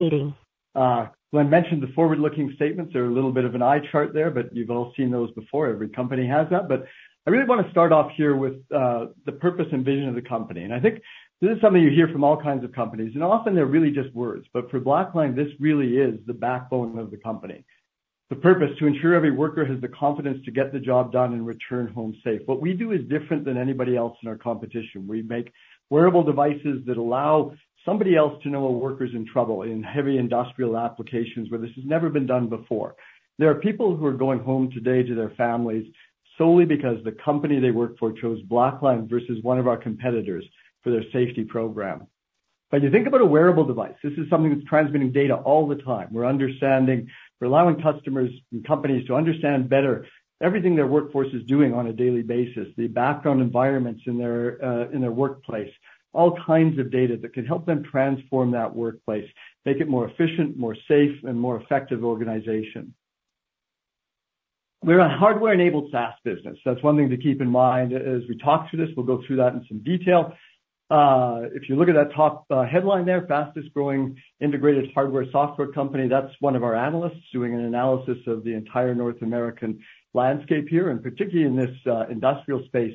I mentioned the forward-looking statements. They're a little bit of an eye chart there, you've all seen those before. Every company has that. I really wanna start off here with the purpose and vision of the company. I think this is something you hear from all kinds of companies, and often they're really just words. For Blackline, this really is the backbone of the company. The purpose: to ensure every worker has the confidence to get the job done and return home safe. What we do is different than anybody else in our competition. We make wearable devices that allow somebody else to know a worker's in trouble in heavy industrial applications where this has never been done before. There are people who are going home today to their families solely because the company they work for chose Blackline versus one of our competitors for their safety program. When you think about a wearable device, this is something that's transmitting data all the time. We're allowing customers and companies to understand better everything their workforce is doing on a daily basis, the background environments in their in their workplace, all kinds of data that can help them transform that workplace, make it more efficient, more safe, and more effective organization. We're a hardware-enabled SaaS business. That's one thing to keep in mind as we talk through this. We'll go through that in some detail. If you look at that top headline there, fastest growing integrated hardware software company, that's one of our analysts doing an analysis of the entire North American landscape here. Particularly in this industrial space,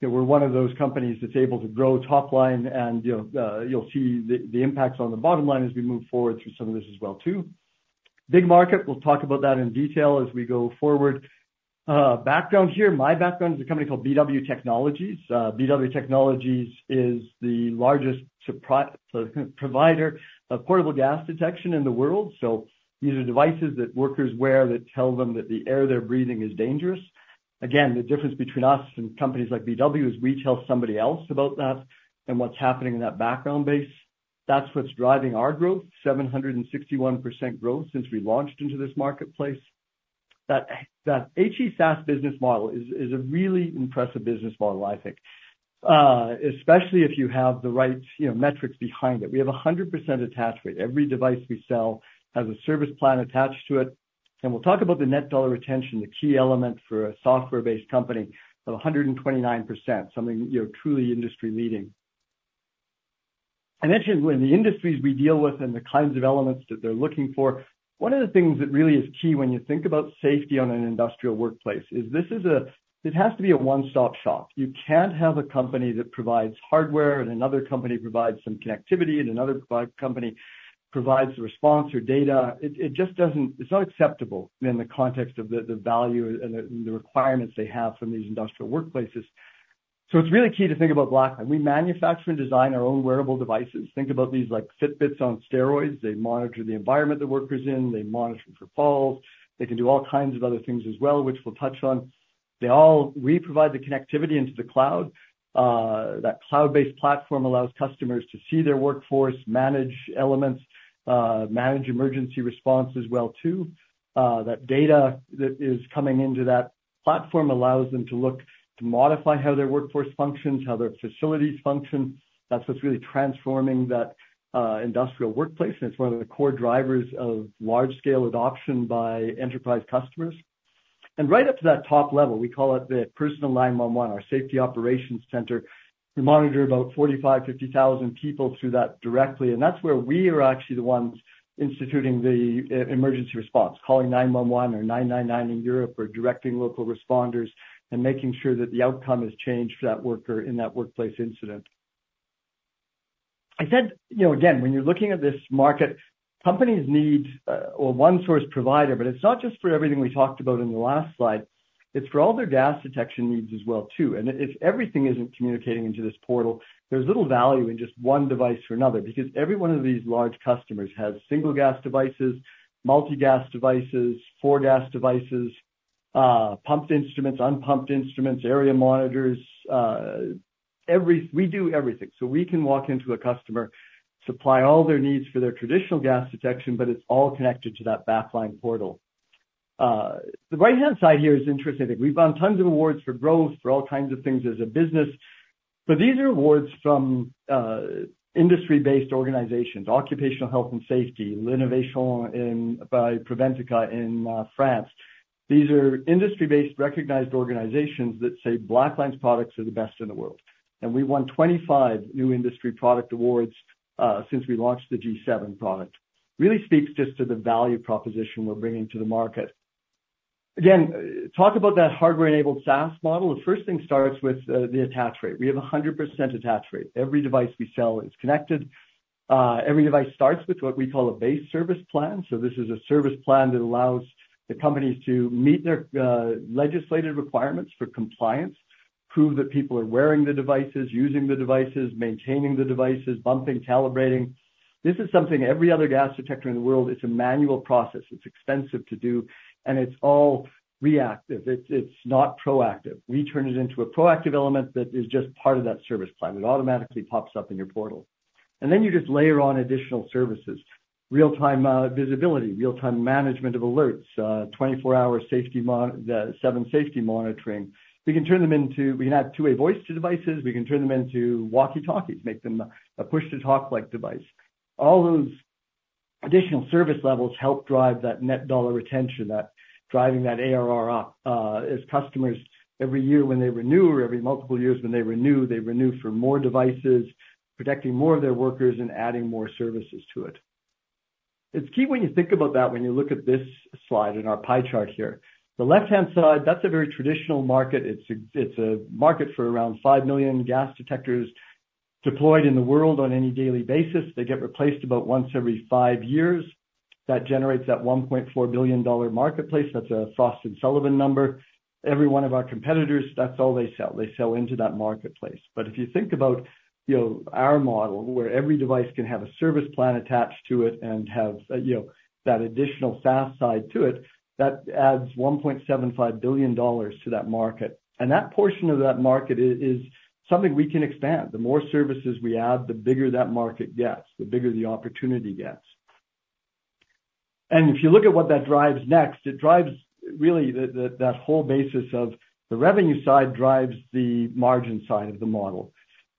that we're one of those companies that's able to grow top line and, you know, you'll see the impacts on the bottom line as we move forward through some of this as well too. Big market. We'll talk about that in detail as we go forward. Background here. My background is a company called BW Technologies. BW Technologies is the largest provider of portable gas detection in the world. These are devices that workers wear that tell them that the air they're breathing is dangerous. Again, the difference between us and companies like BW is we tell somebody else about that and what's happening in that background base. That's what's driving our growth, 761% growth since we launched into this marketplace. That, that HE SaaS business model is a really impressive business model, I think, especially if you have the right, you know, metrics behind it. We have a 100% attach rate. Every device we sell has a service plan attached to it. We'll talk about the Net Dollar Retention, the key element for a software-based company of 129%, something, you know, truly industry-leading. I mentioned when the industries we deal with and the kinds of elements that they're looking for, one of the things that really is key when you think about safety on an industrial workplace is this is a, it has to be a one-stop shop. You can't have a company that provides hardware and another company provides some connectivity and another company provides the response or data. It just doesn't. It's not acceptable in the context of the value and the requirements they have from these industrial workplaces. It's really key to think about Blackline. We manufacture and design our own wearable devices. Think about these like Fitbits on steroids. They monitor the environment the worker's in, they monitor for falls, they can do all kinds of other things as well, which we'll touch on. We provide the connectivity into the cloud. That cloud-based platform allows customers to see their workforce, manage elements, manage emergency response as well too. That data that is coming into that platform allows them to look to modify how their workforce functions, how their facilities function. That's what's really transforming that industrial workplace, and it's one of the core drivers of large scale adoption by enterprise customers. Right up to that top level, we call it the personal 911, our safety operations center. We monitor about 45,000-50,000 people through that directly, and that's where we are actually the ones instituting the emergency response, calling 911 or 999 in Europe or directing local responders and making sure that the outcome has changed for that worker in that workplace incident. I said, you know, again, when you're looking at this market, companies need a one-source provider, but it's not just for everything we talked about in the last slide, it's for all their gas detection needs as well too. If everything isn't communicating into this portal, there's little value in just one device or another. Because every one of these large customers has single gas devices, multi-gas devices, four-gas devices, pumped instruments, unpumped instruments, area monitors. We do everything. We can walk into a customer, supply all their needs for their traditional gas detection, but it's all connected to that Blackline portal. The right-hand side here is interesting. We've won tons of awards for growth, for all kinds of things as a business. These are awards from industry-based organizations, occupational health and safety, L'Innovation by Préventica in France. These are industry-based recognized organizations that say Blackline's products are the best in the world. We've won 25 new industry product awards since we launched the G7 product. Really speaks just to the value proposition we're bringing to the market. Again, talk about that hardware-enabled SaaS model. The first thing starts with the attach rate. We have a 100% attach rate. Every device we sell is connected. Every device starts with what we call a base service plan. This is a service plan that allows the companies to meet their legislative requirements for compliance, prove that people are wearing the devices, using the devices, maintaining the devices, bumping, calibrating. This is something every other gas detector in the world, it's a manual process. It's expensive to do, and it's all reactive. It's not proactive. We turn it into a proactive element that is just part of that service plan. It automatically pops up in your portal. Then you just layer on additional services, real-time visibility, real-time management of alerts, 24/7 safety monitoring. We can add two-way voice to devices. We can turn them into walkie-talkies, make them a push-to-talk like device. All those additional service levels help drive that Net Dollar Retention, driving that ARR up as customers every year when they renew or every multiple years when they renew, they renew for more devices, protecting more of their workers and adding more services to it. It's key when you think about that, when you look at this slide in our pie chart here. The left-hand side, that's a very traditional market. It's a market for around 5 million gas detectors deployed in the world on a daily basis. They get replaced about once every five years. That generates that $1.4 billion marketplace. That's a Frost & Sullivan number. Every one of our competitors, that's all they sell. They sell into that marketplace. If you think about, you know, our model, where every device can have a service plan attached to it and have, you know, that additional SaaS side to it, that adds $1.75 billion to that market. That portion of that market is something we can expand. The more services we add, the bigger that market gets, the bigger the opportunity gets. If you look at what that drives next, it drives really that whole basis of the revenue side drives the margin side of the model.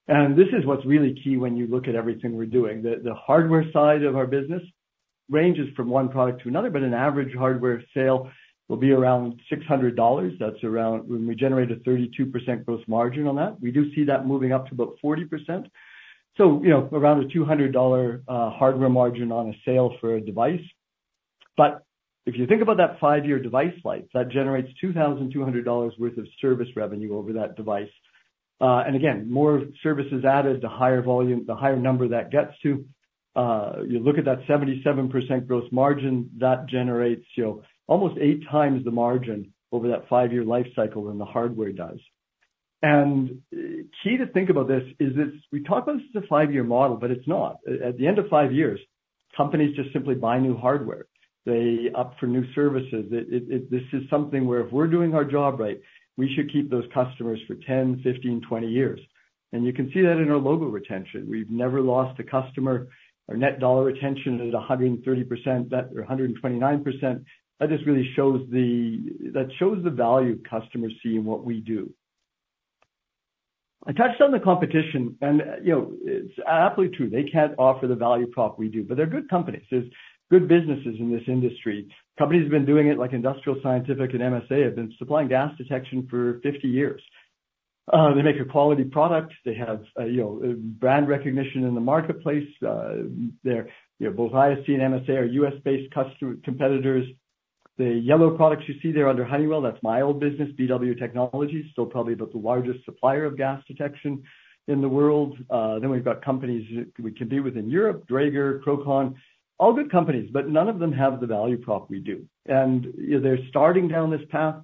This is what's really key when you look at everything we're doing. The hardware side of our business ranges from one product to another, but an average hardware sale will be around 600 dollars. That's around when we generate a 32% gross margin on that. We do see that moving up to about 40%. You know, around a 200 dollar hardware margin on a sale for a device. If you think about that five-year device life, that generates 2,200 dollars worth of service revenue over that device. And again, more services added, the higher volume, the higher number that gets to. You look at that 77% gross margin, that generates, you know, almost 8 times the margin over that five-year life cycle than the hardware does. Key to think about this is we talk about this as a five-year model, but it's not. At the end of five years, companies just simply buy new hardware. They opt for new services. This is something where if we're doing our job right, we should keep those customers for 10, 15, 20 years. You can see that in our logo retention. We've never lost a customer. Our Net Dollar Retention is 130% or 129%. That just really shows the value customers see in what we do. I touched on the competition and, you know, it's absolutely true. They can't offer the value prop we do, but they're good companies. There's good businesses in this industry. Companies have been doing it, like Industrial Scientific and MSA, have been supplying gas detection for 50 years. They make a quality product. They have, you know, brand recognition in the marketplace. They're, you know, both ISC and MSA are U.S.-based competitors. The yellow products you see there under Honeywell, that's my old business, BW Technologies, still probably about the largest supplier of gas detection in the world. Then we've got companies we compete with in Europe, Dräger, Crowcon, all good companies, but none of them have the value prop we do. They're starting down this path.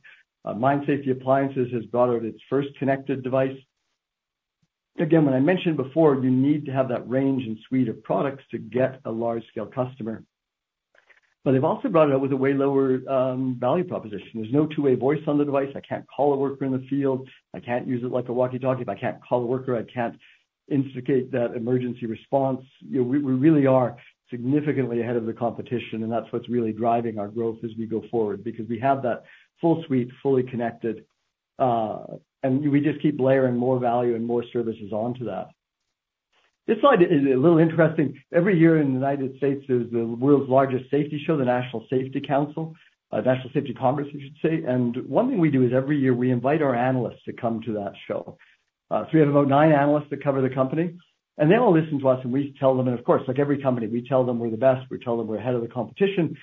Mine Safety Appliances has brought out its first connected device. Again, when I mentioned before, you need to have that range and suite of products to get a large-scale customer. They've also brought it out with a way lower value proposition. There's no two-way voice on the device. I can't call a worker in the field. I can't use it like a walkie-talkie. If I can't call the worker, I can't instigate that emergency response. You know, we really are significantly ahead of the competition, and that's what's really driving our growth as we go forward, because we have that full suite, fully connected, and we just keep layering more value and more services onto that. This slide is a little interesting. Every year in the U.S., there's the world's largest safety show, the National Safety Council, National Safety Congress, I should say. One thing we do is every year we invite our analysts to come to that show. We have about nine analysts that cover the company, and they all listen to us and we tell them, and of course, like every company, we tell them we're the best, we tell them we're ahead of the competition.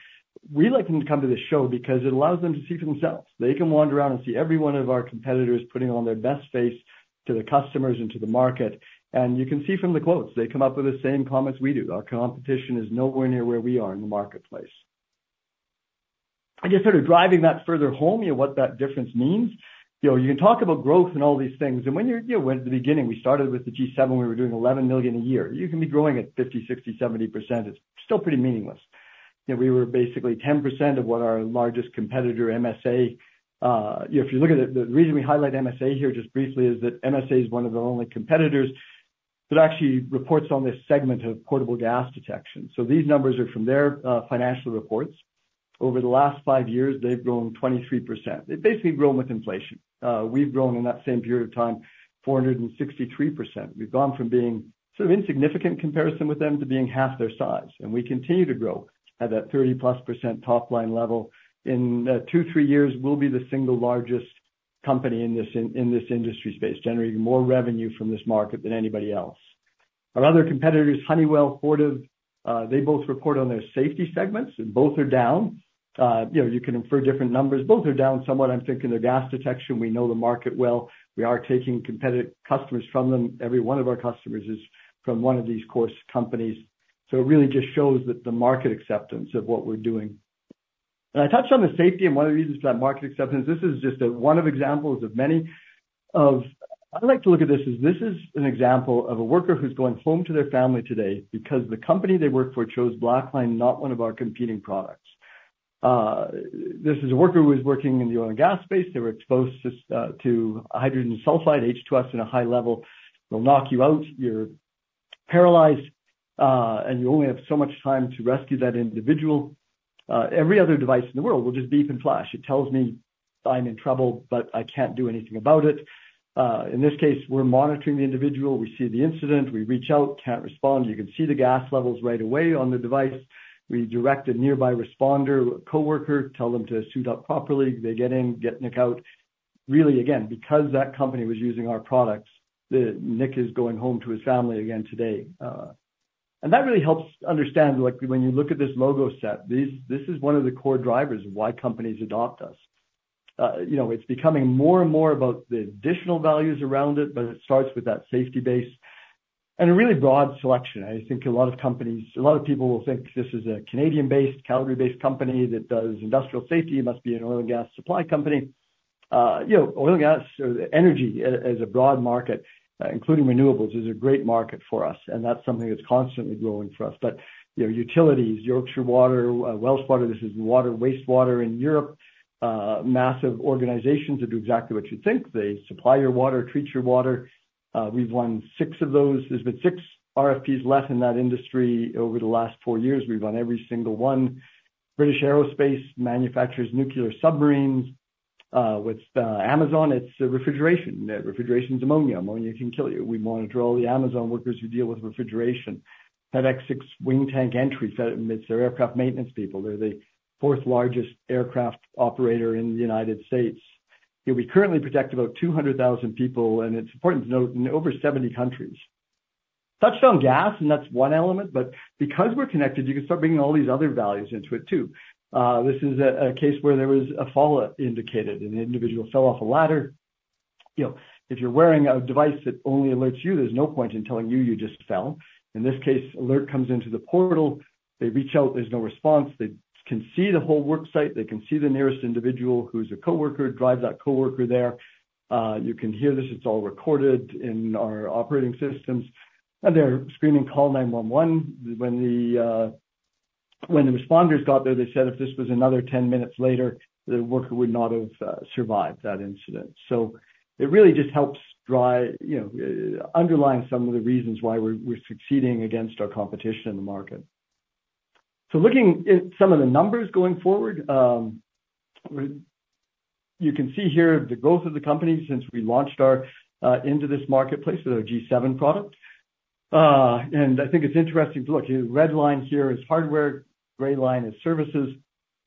We like them to come to this show because it allows them to see for themselves. They can wander around and see every one of our competitors putting on their best face to the customers and to the market. You can see from the quotes, they come up with the same comments we do. Our competition is nowhere near where we are in the marketplace. I guess sort of driving that further home, you know, what that difference means. You know, you can talk about growth and all these things, and when you're, you know, at the beginning, we started with the G7, we were doing 11 million a year. You can be growing at 50%, 60%, 70%. It's still pretty meaningless. You know, we were basically 10% of what our largest competitor, MSA. If you look at it, the reason we highlight MSA here just briefly is that MSA is one of the only competitors that actually reports on this segment of portable gas detection. So these numbers are from their financial reports. Over the last five years, they've grown 23%. They've basically grown with inflation. We've grown in that same period of time, 463%. We've gone from being sort of insignificant comparison with them to being half their size, and we continue to grow at that 30%+ top-line level. In two, three years, we'll be the single largest company in this industry space, generating more revenue from this market than anybody else. Our other competitors, Honeywell, Fortive, they both report on their safety segments, both are down. You know, you can infer different numbers. Both are down somewhat, I'm thinking, their gas detection. We know the market well. We are taking competitive customers from them. Every one of our customers is from one of these core companies. It really just shows that the market acceptance of what we're doing. I touched on the safety and one of the reasons for that market acceptance. I like to look at this as this is an example of a worker who's going home to their family today because the company they work for chose Blackline, not one of our competing products. This is a worker who is working in the oil and gas space. They were exposed to hydrogen sulfide, H2S, in a high level. It'll knock you out, you're paralyzed, and you only have so much time to rescue that individual. Every other device in the world will just beep and flash. It tells me I'm in trouble, but I can't do anything about it. In this case, we're monitoring the individual. We see the incident, we reach out, can't respond. You can see the gas levels right away on the device. We direct a nearby responder, a coworker, tell them to suit up properly. They get in, get Nick out. Really, again, because that company was using our products, Nick is going home to his family again today. That really helps understand, like when you look at this logo set, this is one of the core drivers of why companies adopt us. You know, it's becoming more and more about the additional values around it, but it starts with that safety base and a really broad selection. I think a lot of people will think this is a Canadian-based, Calgary-based company that does industrial safety. It must be an oil and gas supply company. You know, oil and gas or energy as a broad market, including renewables, is a great market for us, that's something that's constantly growing for us. You know, utilities, Yorkshire Water, Welsh Water, this is water, wastewater in Europe, massive organizations that do exactly what you think. They supply your water, treat your water. We've won 6 of those. There's been six RFPs let in that industry over the last four years. We've won every single one. British Aerospace manufactures nuclear submarines. With Amazon, it's refrigeration. Refrigeration is ammonia. Ammonia can kill you. We monitor all the Amazon workers who deal with refrigeration. FedEx six wing tank entries. That admits their aircraft maintenance people. They're the fourth-largest aircraft operator in the United States. We currently protect about 200,000 people, and it's important to note, in over 70 countries. Touched on gas, and that's one element. Because we're connected, you can start bringing all these other values into it too. This is a case where there was a fall indicated. An individual fell off a ladder. You know, if you're wearing a device that only alerts you, there's no point in telling you you just fell. In this case, alert comes into the portal. They reach out, there's no response. They can see the whole work site. They can see the nearest individual who's a coworker, drive that coworker there. You can hear this. It's all recorded in our operating systems. They're screaming, "Call 911." When the responders got there, they said if this was another ten minutes later, the worker would not have survived that incident. It really just helps drive, you know, underlying some of the reasons why we're succeeding against our competition in the market. Looking at some of the numbers going forward, you can see here the growth of the company since we launched our into this marketplace with our G7 product. I think it's interesting to look. The red line here is hardware, gray line is services.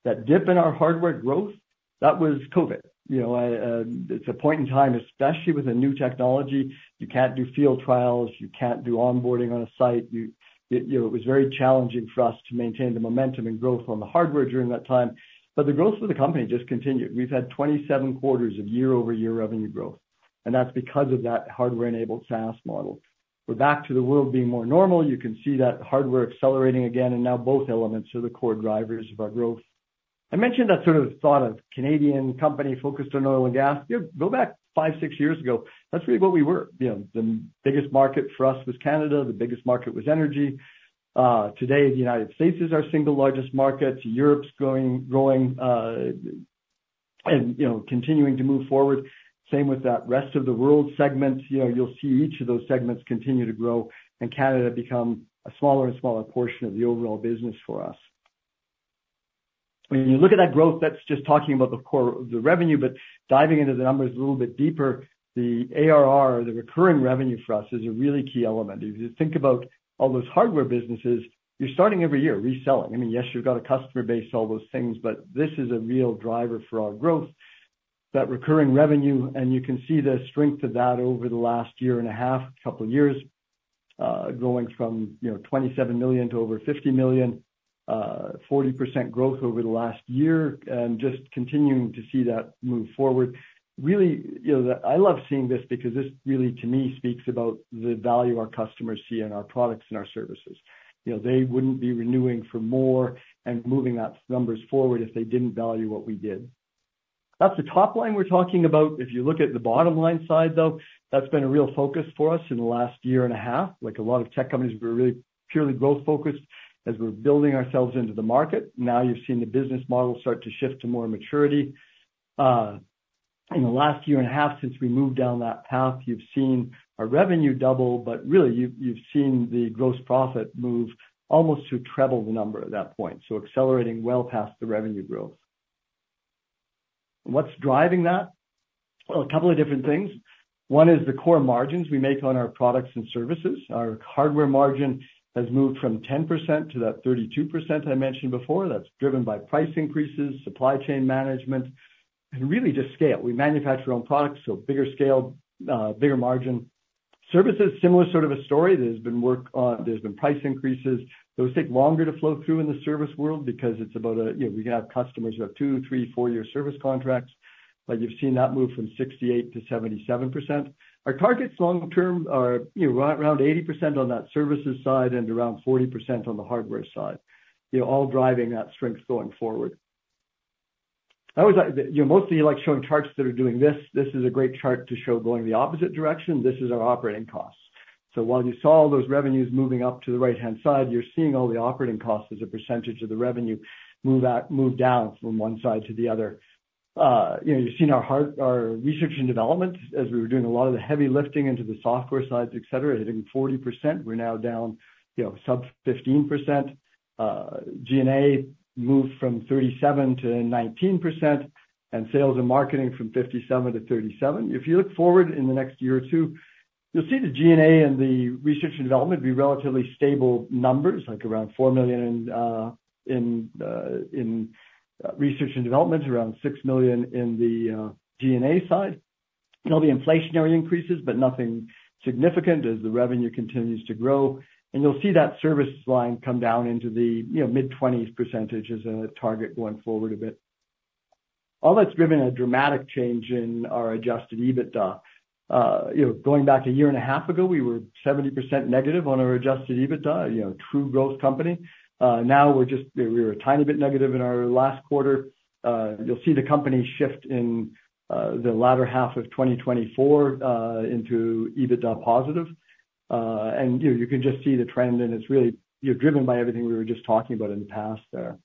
That dip in our hardware growth, that was COVID. You know, it's a point in time, especially with a new technology. You can't do field trials, you can't do onboarding on a site. You know, it was very challenging for us to maintain the momentum and growth on the hardware during that time. The growth of the company just continued. We've had 27 quarters of year-over-year revenue growth, and that's because of that hardware-enabled SaaS model. We're back to the world being more normal. You can see that hardware accelerating again, and now both elements are the core drivers of our growth. I mentioned that sort of thought of Canadian company focused on oil and gas. Go back five to six years ago, that's really what we were. You know, the biggest market for us was Canada. The biggest market was energy. Today, the United States is our single largest market. Europe's growing, and, you know, continuing to move forward. Same with that rest of the world segments. You know, you'll see each of those segments continue to grow and Canada become a smaller and smaller portion of the overall business for us. When you look at that growth, that's just talking about the core, the revenue, but diving into the numbers a little bit deeper, the ARR, the recurring revenue for us is a really key element. If you think about all those hardware businesses, you're starting every year reselling. I mean, yes, you've got a customer base, all those things, but this is a real driver for our growth, that recurring revenue. You can see the strength of that over the last year and a half, couple of years, going from, you know, 27 million to over 50 million, 40% growth over the last year, and just continuing to see that move forward. Really, you know, I love seeing this because this really, to me, speaks about the value our customers see in our products and our services. You know, they wouldn't be renewing for more and moving that numbers forward if they didn't value what we did. That's the top line we're talking about. If you look at the bottom line side, though, that's been a real focus for us in the last year and a half. Like a lot of tech companies, we're really purely growth-focused as we're building ourselves into the market. Now you're seeing the business model start to shift to more maturity. In the last year and a half since we moved down that path, you've seen our revenue double, but really, you've seen the gross profit move almost to treble the number at that point. So accelerating well past the revenue growth. What's driving that? Well, a couple of different things. One is the core margins we make on our products and services. Our hardware margin has moved from 10% to that 32% I mentioned before. That's driven by price increases, supply chain management, and really just scale. We manufacture our own products, so bigger scale, bigger margin. Services, similar sort of a story. There's been price increases. Those take longer to flow through in the service world because it's about a, you know, we have customers who have two-, three-, four-year service contracts, but you've seen that move from 68% to 77%. Our targets long term are, you know, around 80% on that services side and around 40% on the hardware side. You know, all driving that strength going forward. I always like. You know, mostly I like showing charts that are doing this. This is a great chart to show going the opposite direction. This is our operating costs. While you saw all those revenues moving up to the right-hand side, you're seeing all the operating costs as a percentage of the revenue move down from one side to the other. You know, you've seen our research and development as we were doing a lot of the heavy lifting into the software side, et cetera, hitting 40%. We're now down, you know, sub-15%. G&A moved from 37% to 19%, and sales and marketing from 57% to 37%. If you look forward in the next year or two. You'll see the G&A and the research and development be relatively stable numbers, like around 4 million in research and development, around 6 million in the G&A side. You know, the inflationary increases, but nothing significant as the revenue continues to grow. You'll see that service line come down into the, you know, mid-20% as a target going forward a bit. All that's driven a dramatic change in our adjusted EBITDA. You know, going back a year and a half ago, we were -70% on our adjusted EBITDA, you know, true growth company. Now we're just, we were a tiny bit negative in our last quarter. You'll see the company shift in, the latter half of 2024, into EBITDA positive. You know, you can just see the trend, and it's really, you know, driven by everything we were just talking about in the past there.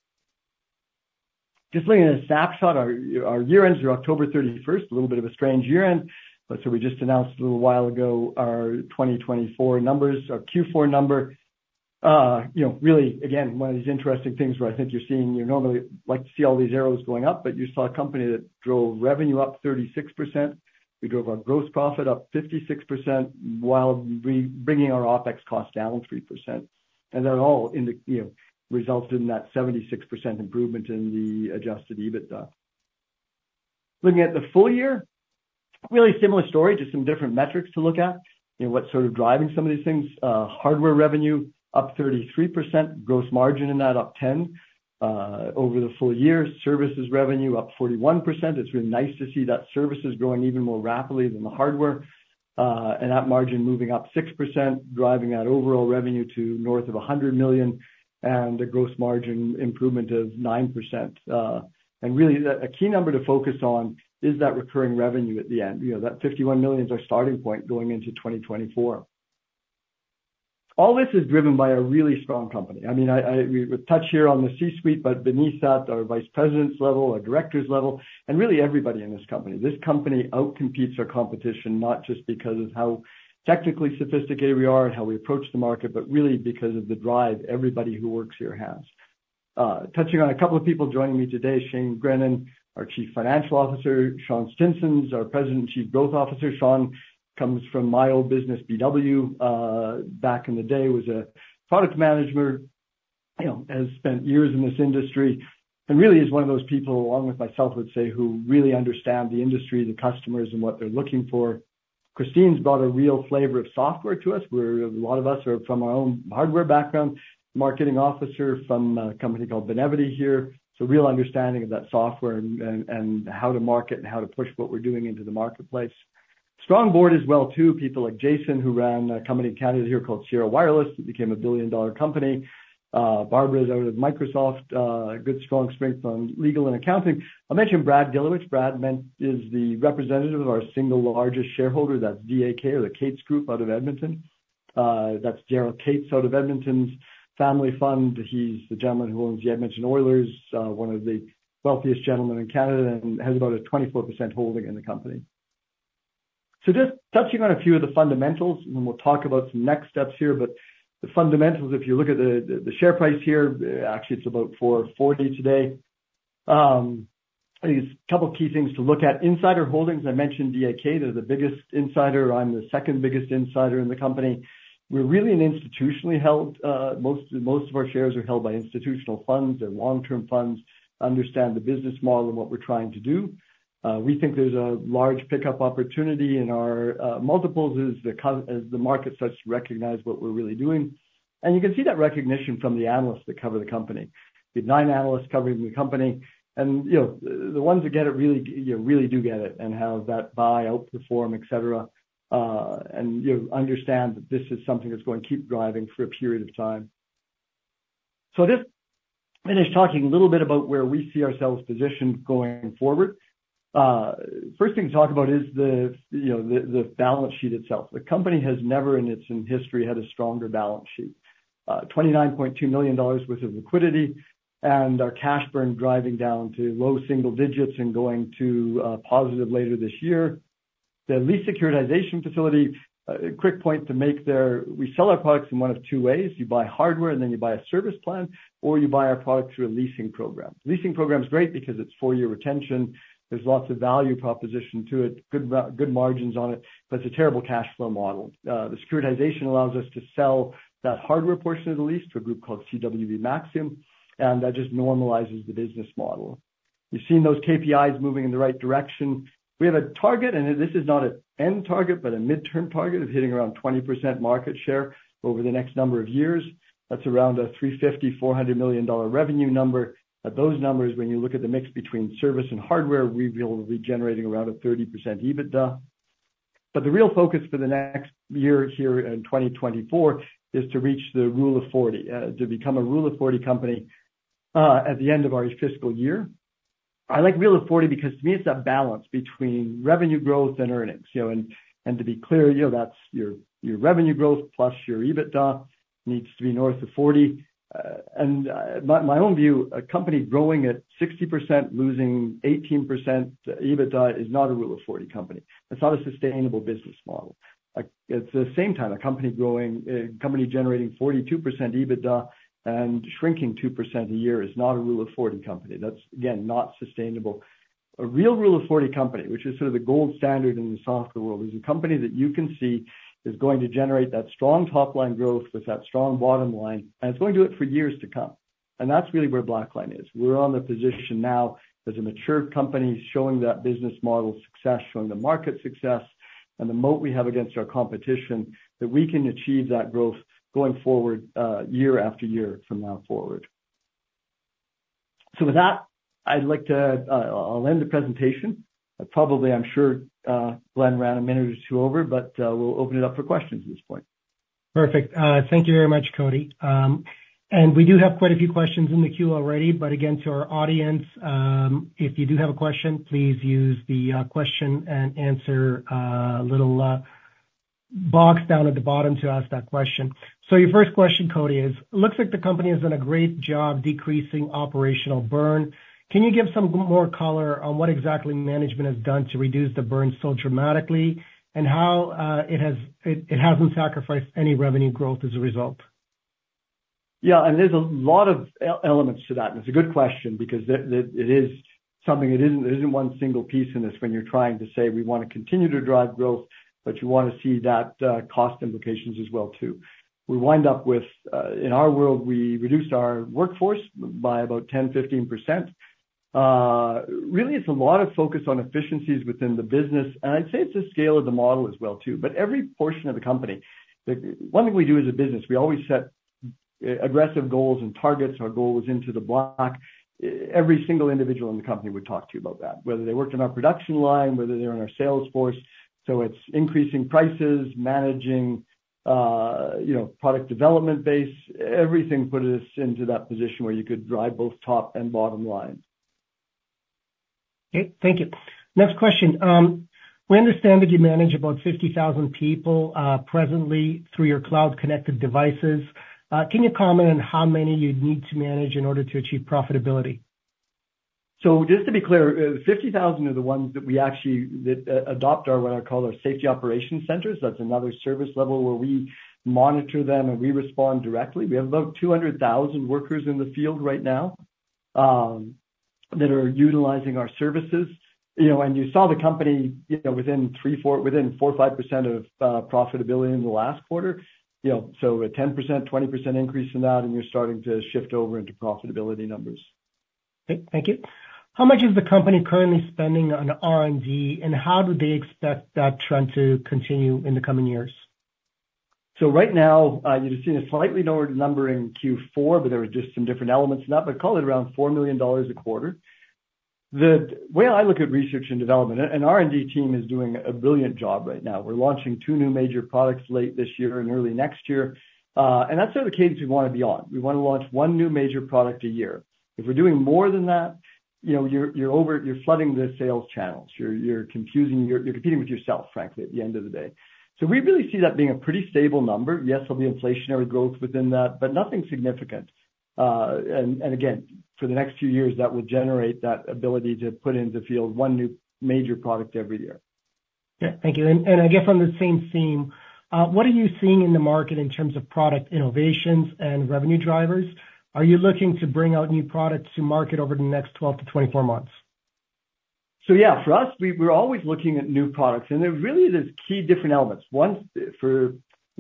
Just looking at a snapshot, our year-ends are October 31st, a little bit of a strange year-end. We just announced a little while ago our 2024 numbers, our Q4 number. You know, really, again, one of these interesting things where I think you're seeing, you normally like to see all these arrows going up, but you saw a company that drove revenue up 36%. We drove our gross profit up 56% while reining in our OpEx cost down 3%. That all, you know, results in that 76% improvement in the adjusted EBITDA. Looking at the full year, really similar story, just some different metrics to look at, you know, what's sort of driving some of these things. Hardware revenue up 33%, gross margin in that up 10% over the full year. Services revenue up 41%. It's been nice to see that services growing even more rapidly than the hardware, and that margin moving up 6%, driving that overall revenue to north of 100 million, and a gross margin improvement of 9%. Really a key number to focus on is that recurring revenue at the end. You know, that 51 million is our starting point going into 2024. All this is driven by a really strong company. I mean, we touch here on the C-suite, but beneath that, our vice presidents' level, our directors' level, and really everybody in this company. This company outcompetes our competition, not just because of how technically sophisticated we are and how we approach the market, but really because of the drive everybody who works here has. Touching on a couple of people joining me today, Shane Grennan, our Chief Financial Officer, Sean Stinson's our President and Chief Growth Officer. Sean comes from my old business, BW, back in the day, was a product manager, you know, has spent years in this industry, and really is one of those people, along with myself, I would say, who really understand the industry, the customers, and what they're looking for. Cristine's brought a real flavor of software to us, where a lot of us are from our own hardware background, marketing officer from a company called Benevity here. Real understanding of that software and how to market and how to push what we're doing into the marketplace. Strong board as well too. People like Jason Cohenour, who ran a company in Canada here called Sierra Wireless. It became a billion-dollar company. Barbara is out of Microsoft, good strong strengths on legal and accounting. I mentioned Brad Gilewich. Brad is the representative of our single largest shareholder, that's DAK or the Katz Group out of Edmonton. That's Daryl Katz out of Edmonton's family fund. He's the gentleman who owns the Edmonton Oilers, one of the wealthiest gentlemen in Canada, and has about a 24% holding in the company. Just touching on a few of the fundamentals, and then we'll talk about some next steps here, but the fundamentals, if you look at the share price here, actually, it's about 4.40 today. I guess a couple of key things to look at. Insider holdings, I mentioned DAK. They're the biggest insider. I'm the second biggest insider in the company. We're really an institutionally held, most of our shares are held by institutional funds. They're long-term funds, understand the business model and what we're trying to do. We think there's a large pickup opportunity in our multiples as the market starts to recognize what we're really doing. You can see that recognition from the analysts that cover the company. We have nine analysts covering the company, and, you know, the ones that get it really, you know, really do get it and have that buy, outperform, et cetera, and, you know, understand that this is something that's going to keep driving for a period of time. I'll just finish talking a little bit about where we see ourselves positioned going forward. First thing to talk about is the balance sheet itself. The company has never in its history had a stronger balance sheet. 29.2 million dollars worth of liquidity and our cash burn driving down to low single digits and going to positive later this year. The lease securitization facility, a quick point to make there. We sell our products in one of two ways. You buy hardware, and then you buy a service plan, or you buy our product through a leasing program. Leasing program is great because it's four-year retention. There's lots of value proposition to it, good margins on it, but it's a terrible cash flow model. The securitization allows us to sell that hardware portion of the lease to a group called CWB Maxium, and that just normalizes the business model. You've seen those KPIs moving in the right direction. We have a target, and this is not an end target, but a midterm target of hitting around 20% market share over the next number of years. That's around a 350 million-400 million dollar revenue number. At those numbers, when you look at the mix between service and hardware, we will be generating around a 30% EBITDA. The real focus for the next year here in 2024 is to reach the rule of 40, to become a rule of 40 company, at the end of our fiscal year. I like rule of 40 because to me, it's that balance between revenue growth and earnings. You know, and to be clear, you know, that's your revenue growth plus your EBITDA needs to be north of 40%. My own view, a company growing at 60%, losing 18% EBITDA is not a Rule of 40 company. That's not a sustainable business model. At the same time, a company growing, a company generating 42% EBITDA and shrinking 2% a year is not a Rule of 40 company. That's, again, not sustainable. A real Rule of 40 company, which is sort of the gold standard in the software world, is a company that you can see is going to generate that strong top line growth with that strong bottom line, and it's going to do it for years to come. That's really where Blackline is. We're in the position now as a mature company showing that business model success, showing the market success, and the moat we have against our competition, that we can achieve that growth going forward, year after year from now forward. With that, I'll end the presentation. Probably, I'm sure, Glen ran a minute or two over, but, we'll open it up for questions at this point. Perfect. Thank you very much, Cody. We do have quite a few questions in the queue already. Again, to our audience, if you do have a question, please use the question and answer little box down at the bottom to ask that question. Your first question, Cody, is, looks like the company has done a great job decreasing operational burn. Can you give some more color on what exactly management has done to reduce the burn so dramatically and how it hasn't sacrificed any revenue growth as a result? There's a lot of elements to that. It's a good question because it is something that isn't one single piece in this when you're trying to say we wanna continue to drive growth, but you wanna see that cost implications as well too. We wind up with in our world, we reduced our workforce by about 10%-15%. Really it's a lot of focus on efficiencies within the business. I'd say it's the scale of the model as well too. Every portion of the company, the. One thing we do as a business, we always set aggressive goals and targets. Our goal was into the black. Every single individual in the company would talk to you about that, whether they worked in our production line, whether they're in our sales force. It's increasing prices, managing, you know, product development base. Everything put us into that position where you could drive both top and bottom line. Okay. Thank you. Next question. We understand that you manage about 50,000 people, presently through your cloud-connected devices. Can you comment on how many you'd need to manage in order to achieve profitability? Just to be clear, 50,000 are the ones that we actually adopt our, what I call our safety operation centers. That's another service level where we monitor them, and we respond directly. We have about 200,000 workers in the field right now that are utilizing our services. You know, you saw the company, you know, within 4%-5% of profitability in the last quarter. You know, a 10%-20% increase in that, and you're starting to shift over into profitability numbers. Okay. Thank you. How much is the company currently spending on R&D, and how do they expect that trend to continue in the coming years? Right now, you're seeing a slightly lower number in Q4, but there are just some different elements in that. Call it around 4 million dollars a quarter. The way I look at research and development, an R&D team is doing a brilliant job right now. We're launching two new major products late this year and early next year, and that's sort of the cadence we wanna be on. We wanna launch one new major product a year. If we're doing more than that, you know, you're over, you're flooding the sales channels. You're confusing, you're competing with yourself, frankly, at the end of the day. We really see that being a pretty stable number. Yes, there'll be inflationary growth within that, but nothing significant. Again, for the next few years, that will generate that ability to put into field one new major product every year. Yeah. Thank you. I guess on the same theme, what are you seeing in the market in terms of product innovations and revenue drivers? Are you looking to bring out new products to market over the next 12-24 months? Yeah, for us, we're always looking at new products, and there really is key different elements. One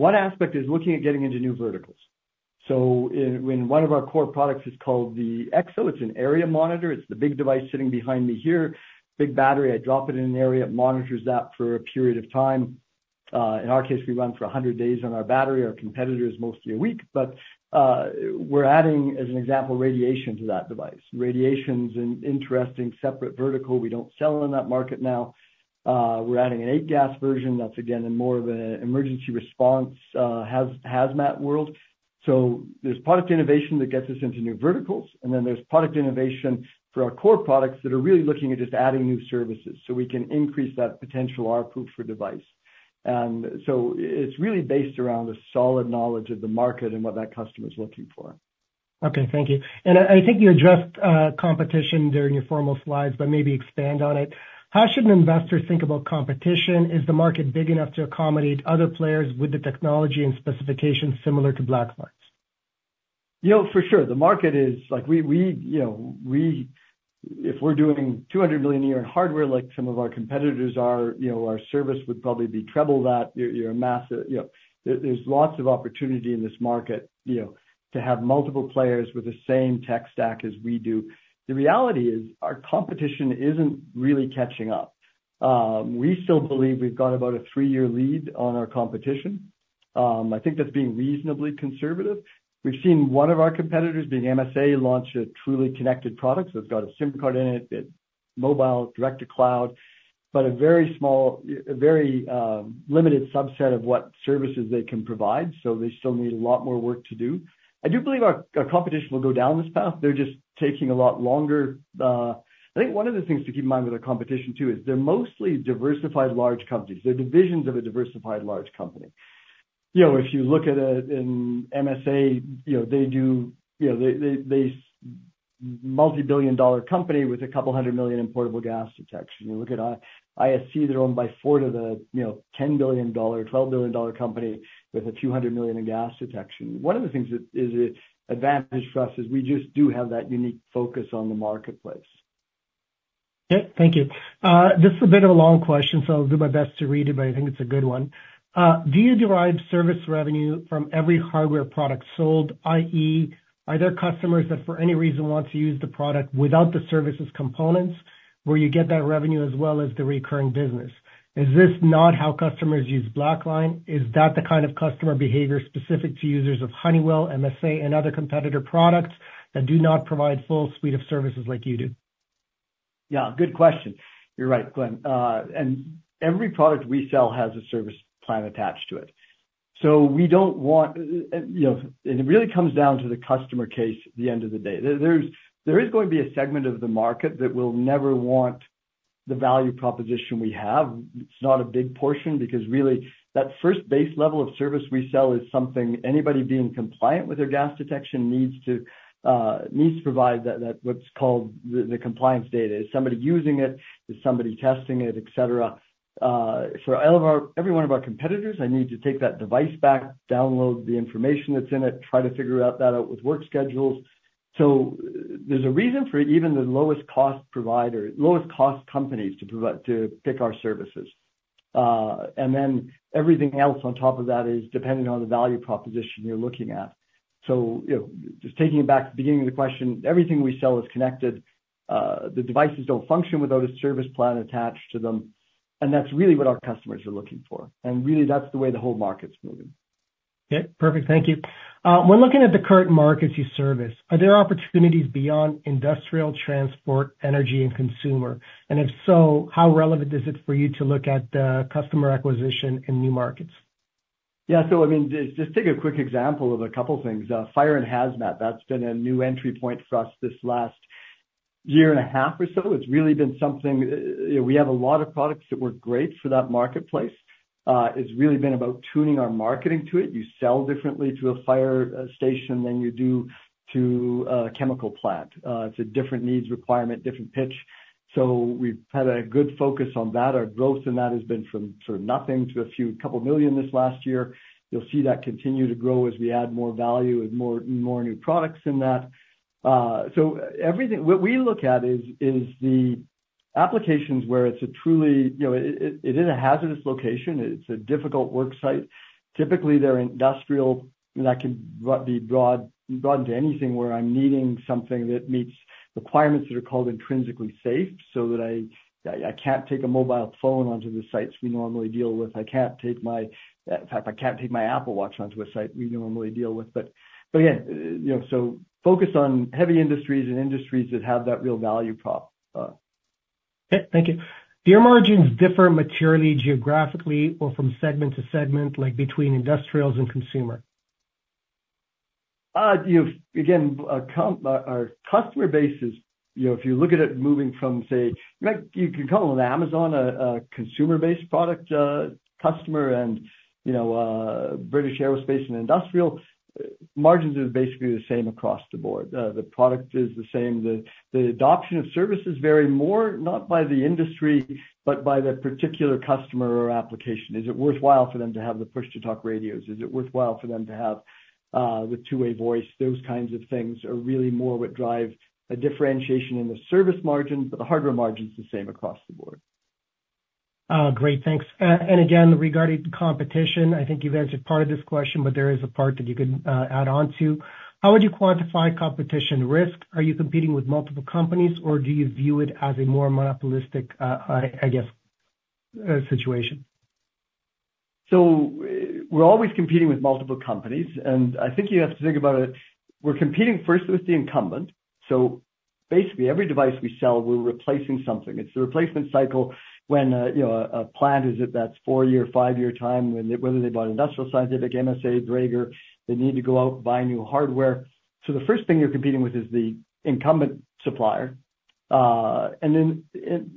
aspect is looking at getting into new verticals. In one of our core products is called the EXO. It's an area monitor. It's the big device sitting behind me here. Big battery. I drop it in an area. It monitors that for a period of time. In our case, we run for 100 days on our battery. Our competitor is mostly a week. We're adding, as an example, radiation to that device. Radiation's an interesting separate vertical. We don't sell in that market now. We're adding an eight-gas version that's again more of an emergency response, hazmat world. There's product innovation that gets us into new verticals, and then there's product innovation for our core products that are really looking at just adding new services so we can increase that potential ARPU per device. It's really based around the solid knowledge of the market and what that customer is looking for. Okay. Thank you. I think you addressed competition during your formal slides, but maybe expand on it. How should an investor think about competition? Is the market big enough to accommodate other players with the technology and specifications similar to Blackline's? You know, for sure. The market is like, you know, we, if we're doing 200 million a year in hardware like some of our competitors are, you know, our service would probably be triple that. You're a massive, you know. There's lots of opportunity in this market, you know, to have multiple players with the same tech stack as we do. The reality is our competition isn't really catching up. We still believe we've got about a three-year lead on our competition. I think that's being reasonably conservative. We've seen one of our competitors, being MSA, launch a truly connected product. It's got a SIM card in it's mobile, direct to cloud, but a very small, very limited subset of what services they can provide. They still need a lot more work to do. I do believe our competition will go down this path. They're just taking a lot longer. I think one of the things to keep in mind with our competition too is they're mostly diversified large companies. They're divisions of a diversified large company. You know, if you look at MSA, you know, they multi-billion-dollar company with a couple hundred million in portable gas detection. You look at ISC, they're owned by Fortive, you know, $10 billion-dollar, $12 billion-dollar company with $200 million in gas detection. One of the things that is advantage for us is we just do have that unique focus on the marketplace. Yeah. Thank you. This is a bit of a long question, so I'll do my best to read it, but I think it's a good one. Do you derive service revenue from every hardware product sold? i.e., are there customers that for any reason want to use the product without the services components, where you get that revenue as well as the recurring business? Is this not how customers use Blackline? Is that the kind of customer behavior specific to users of Honeywell, MSA, and other competitor products that do not provide full suite of services like you do? Good question. You're right, Glen. Every product we sell has a service plan attached to it. We don't want, you know, it really comes down to the customer case at the end of the day. There is going to be a segment of the market that will never want the value proposition we have. It's not a big portion because really that first base level of service we sell is something anybody being compliant with their gas detection needs to provide that what's called the compliance data. Is somebody using it? Is somebody testing it, et cetera? Every one of our competitors, they need to take that device back, download the information that's in it, try to figure out that out with work schedules. There's a reason for even the lowest cost provider, lowest cost companies to pick our services. And then everything else on top of that is dependent on the value proposition you're looking at. You know, just taking it back to the beginning of the question, everything we sell is connected. The devices don't function without a service plan attached to them, and that's really what our customers are looking for. Really that's the way the whole market's moving. Yeah. Perfect. Thank you. When looking at the current markets you service, are there opportunities beyond industrial, transport, energy, and consumer? If so, how relevant is it for you to look at customer acquisition in new markets? I mean, just take a quick example of a couple things. Fire and hazmat, that's been a new entry point for us this last year and a half or so. It's really been something. We have a lot of products that work great for that marketplace. It's really been about tuning our marketing to it. You sell differently to a fire station than you do to a chemical plant. It's a different needs requirement, different pitch. We've had a good focus on that. Our growth in that has been from sort of nothing to 2 million this last year. You'll see that continue to grow as we add more value and more new products in that. What we look at is the applications where it's a truly, you know, it is a hazardous location. It's a difficult work site. Typically, they're industrial, and that can be broad to anything where I'm needing something that meets requirements that are called Intrinsically Safe, so that I can't take a mobile phone onto the sites we normally deal with. I can't take my, in fact, I can't take my Apple Watch onto a site we normally deal with. Yeah, you know, focus on heavy industries and industries that have that real value prop. Okay. Thank you. Do your margins differ materially geographically or from segment to segment, like between industrials and consumer? You know, again, our customer base is, you know, if you look at it moving from say, you can call an Amazon a consumer-based product customer and, you know, British Aerospace and Industrial, margins are basically the same across the board. The product is the same. The adoption of services vary more not by the industry, but by the particular customer or application. Is it worthwhile for them to have the push-to-talk radios? Is it worthwhile for them to have the two-way voice? Those kinds of things are really more what drive a differentiation in the service margin, but the hardware margin's the same across the board. Great. Thanks. Again, regarding competition, I think you've answered part of this question, but there is a part that you can add on to. How would you quantify competition risk? Are you competing with multiple companies, or do you view it as a more monopolistic, I guess, situation? We're always competing with multiple companies, and I think you have to think about it, we're competing first with the incumbent. Basically, every device we sell, we're replacing something. It's the replacement cycle when, you know, a plant is at that four-year, five-year time when whether they bought Industrial Scientific, MSA, Dräger, they need to go out and buy new hardware. The first thing you're competing with is the incumbent supplier. And then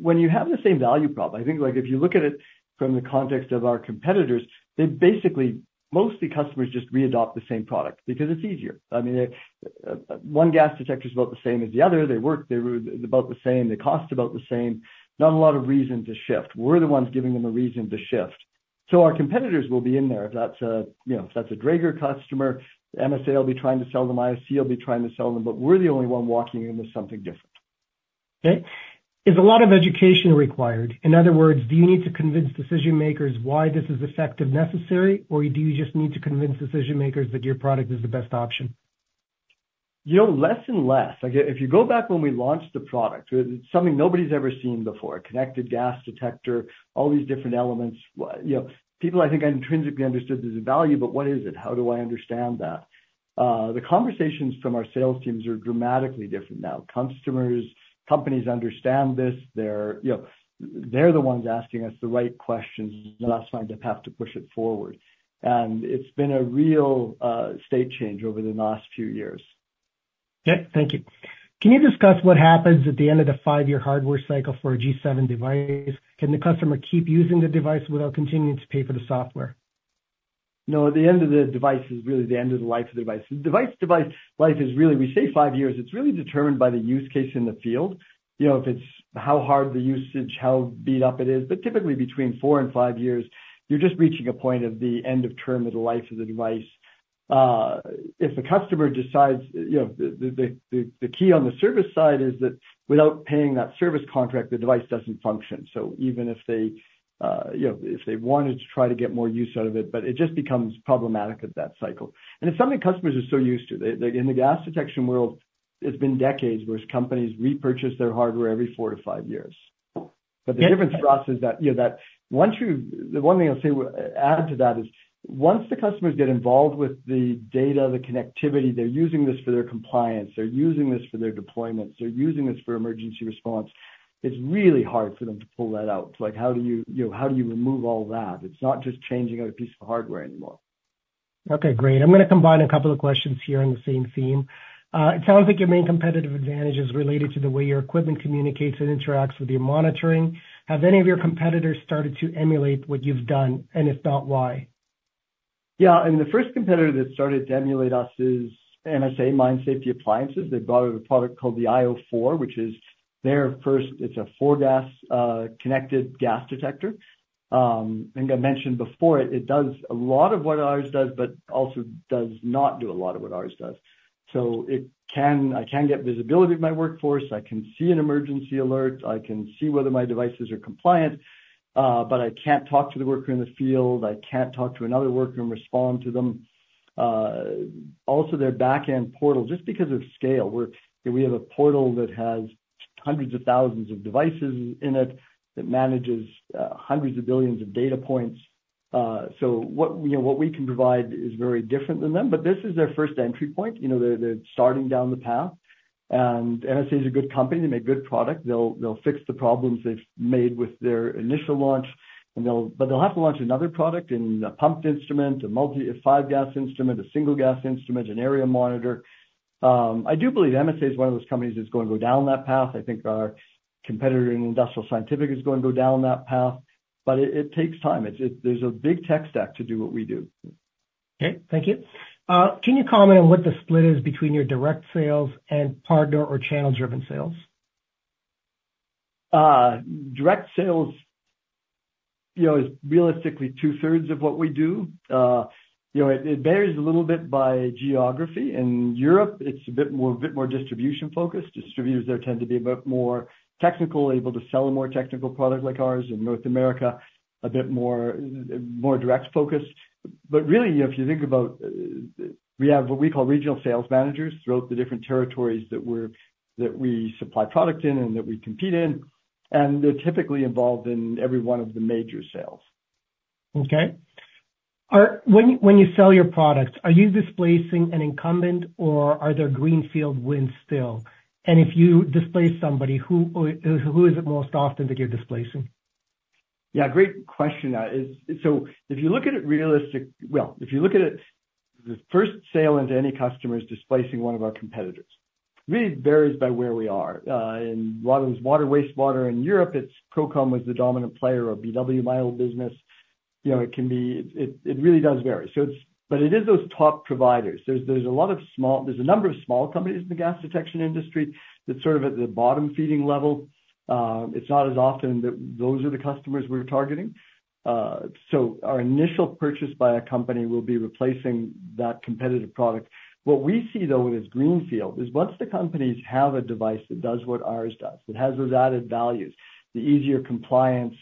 when you have the same value prop, I think like if you look at it from the context of our competitors, they basically, mostly customers just re-adopt the same product because it's easier. I mean, one gas detector is about the same as the other. They work, they're about the same. They cost about the same. Not a lot of reason to shift. We're the ones giving them a reason to shift. Our competitors will be in there. If that's a, you know, if that's a Dräger customer, MSA will be trying to sell them, ISC will be trying to sell them, but we're the only one walking in with something different. Okay. Is a lot of education required? In other words, do you need to convince decision-makers why this is effective and necessary, or do you just need to convince decision-makers that your product is the best option? You know, less and less. Like if you go back when we launched the product, it's something nobody's ever seen before. Connected gas detector, all these different elements. You know, people I think intrinsically understood there's a value, but what is it? How do I understand that? The conversations from our sales teams are dramatically different now. Customers, companies understand this. They're, you know, they're the ones asking us the right questions, and that's my path to push it forward. It's been a real state change over the last few years. Okay. Thank you. Can you discuss what happens at the end of the five-year hardware cycle for a G7 device? Can the customer keep using the device without continuing to pay for the software? No, the end of the device is really the end of the life of the device. The device life is really, we say five years. It's really determined by the use case in the field. You know, if it's how hard the usage, how beat up it is, but typically between four and five years, you're just reaching a point of the end of term of the life of the device. If the customer decides, you know, the key on the service side is that without paying that service contract, the device doesn't function. So even if they, you know, if they wanted to try to get more use out of it, but it just becomes problematic at that cycle. It's something customers are so used to. They in the gas detection world, it's been decades whereas companies repurchase their hardware every four to five years. The difference for us is that, you know, the one thing I'll say, add to that is once the customers get involved with the data, the connectivity, they're using this for their compliance, they're using this for their deployments, they're using this for emergency response, it's really hard for them to pull that out. Like, how do you know, how do you remove all that? It's not just changing out a piece of hardware anymore. Okay, great. I'm gonna combine a couple of questions here on the same theme. It sounds like your main competitive advantage is related to the way your equipment communicates and interacts with your monitoring. Have any of your competitors started to emulate what you've done, and if not, why? The first competitor that started to emulate us is MSA, Mine Safety Appliances. They brought out a product called the ALTAIR io 4, which is their first. It's a four-gas connected gas detector. I think I mentioned before, it does a lot of what ours does, but also does not do a lot of what ours does. I can get visibility of my workforce. I can see an emergency alert. I can see whether my devices are compliant. But I can't talk to the worker in the field. I can't talk to another worker and respond to them. Also their back-end portal, just because of scale, we have a portal that has hundreds of thousands of devices in it that manages hundreds of billions of data points. What we can provide is very different than them. This is their first entry point. You know, they're starting down the path. MSA is a good company. They make good product. They'll fix the problems they've made with their initial launch, and they'll have to launch another product in a pumped instrument, a multi, a five-gas instrument, a single-gas instrument, an area monitor. I do believe MSA is one of those companies that's going to go down that path. I think our competitor in Industrial Scientific is going to go down that path, but it takes time. It's just there's a big tech stack to do what we do. Okay. Thank you. Can you comment on what the split is between your direct sales and partner or channel-driven sales? Direct sales, you know, is realistically two-thirds of what we do. You know, it varies a little bit by geography. In Europe, it's a bit more distribution-focused. Distributors there tend to be a bit more technical, able to sell a more technical product like ours. In North America, a bit more direct focus. Really, if you think about, we have what we call regional sales managers throughout the different territories that we supply product in and that we compete in, and they're typically involved in every one of the major sales. Okay. When you sell your products, are you displacing an incumbent or are there greenfield wins still? If you displace somebody, who is it most often that you're displacing? Yeah, great question. If you look at it, the first sale into any customer is displacing one of our competitors. Really, it varies by where we are. In a lot of those water and wastewater in Europe, it's Crowcon was the dominant player or BW, my old business. You know, it can be, it really does vary. But it is those top providers. There's a number of small companies in the gas detection industry that's sort of at the bottom feeding level. It's not as often that those are the customers we're targeting. Our initial purchase by a company will be replacing that competitive product. What we see though in this greenfield is once the companies have a device that does what ours does, that has those added values, the easier compliance,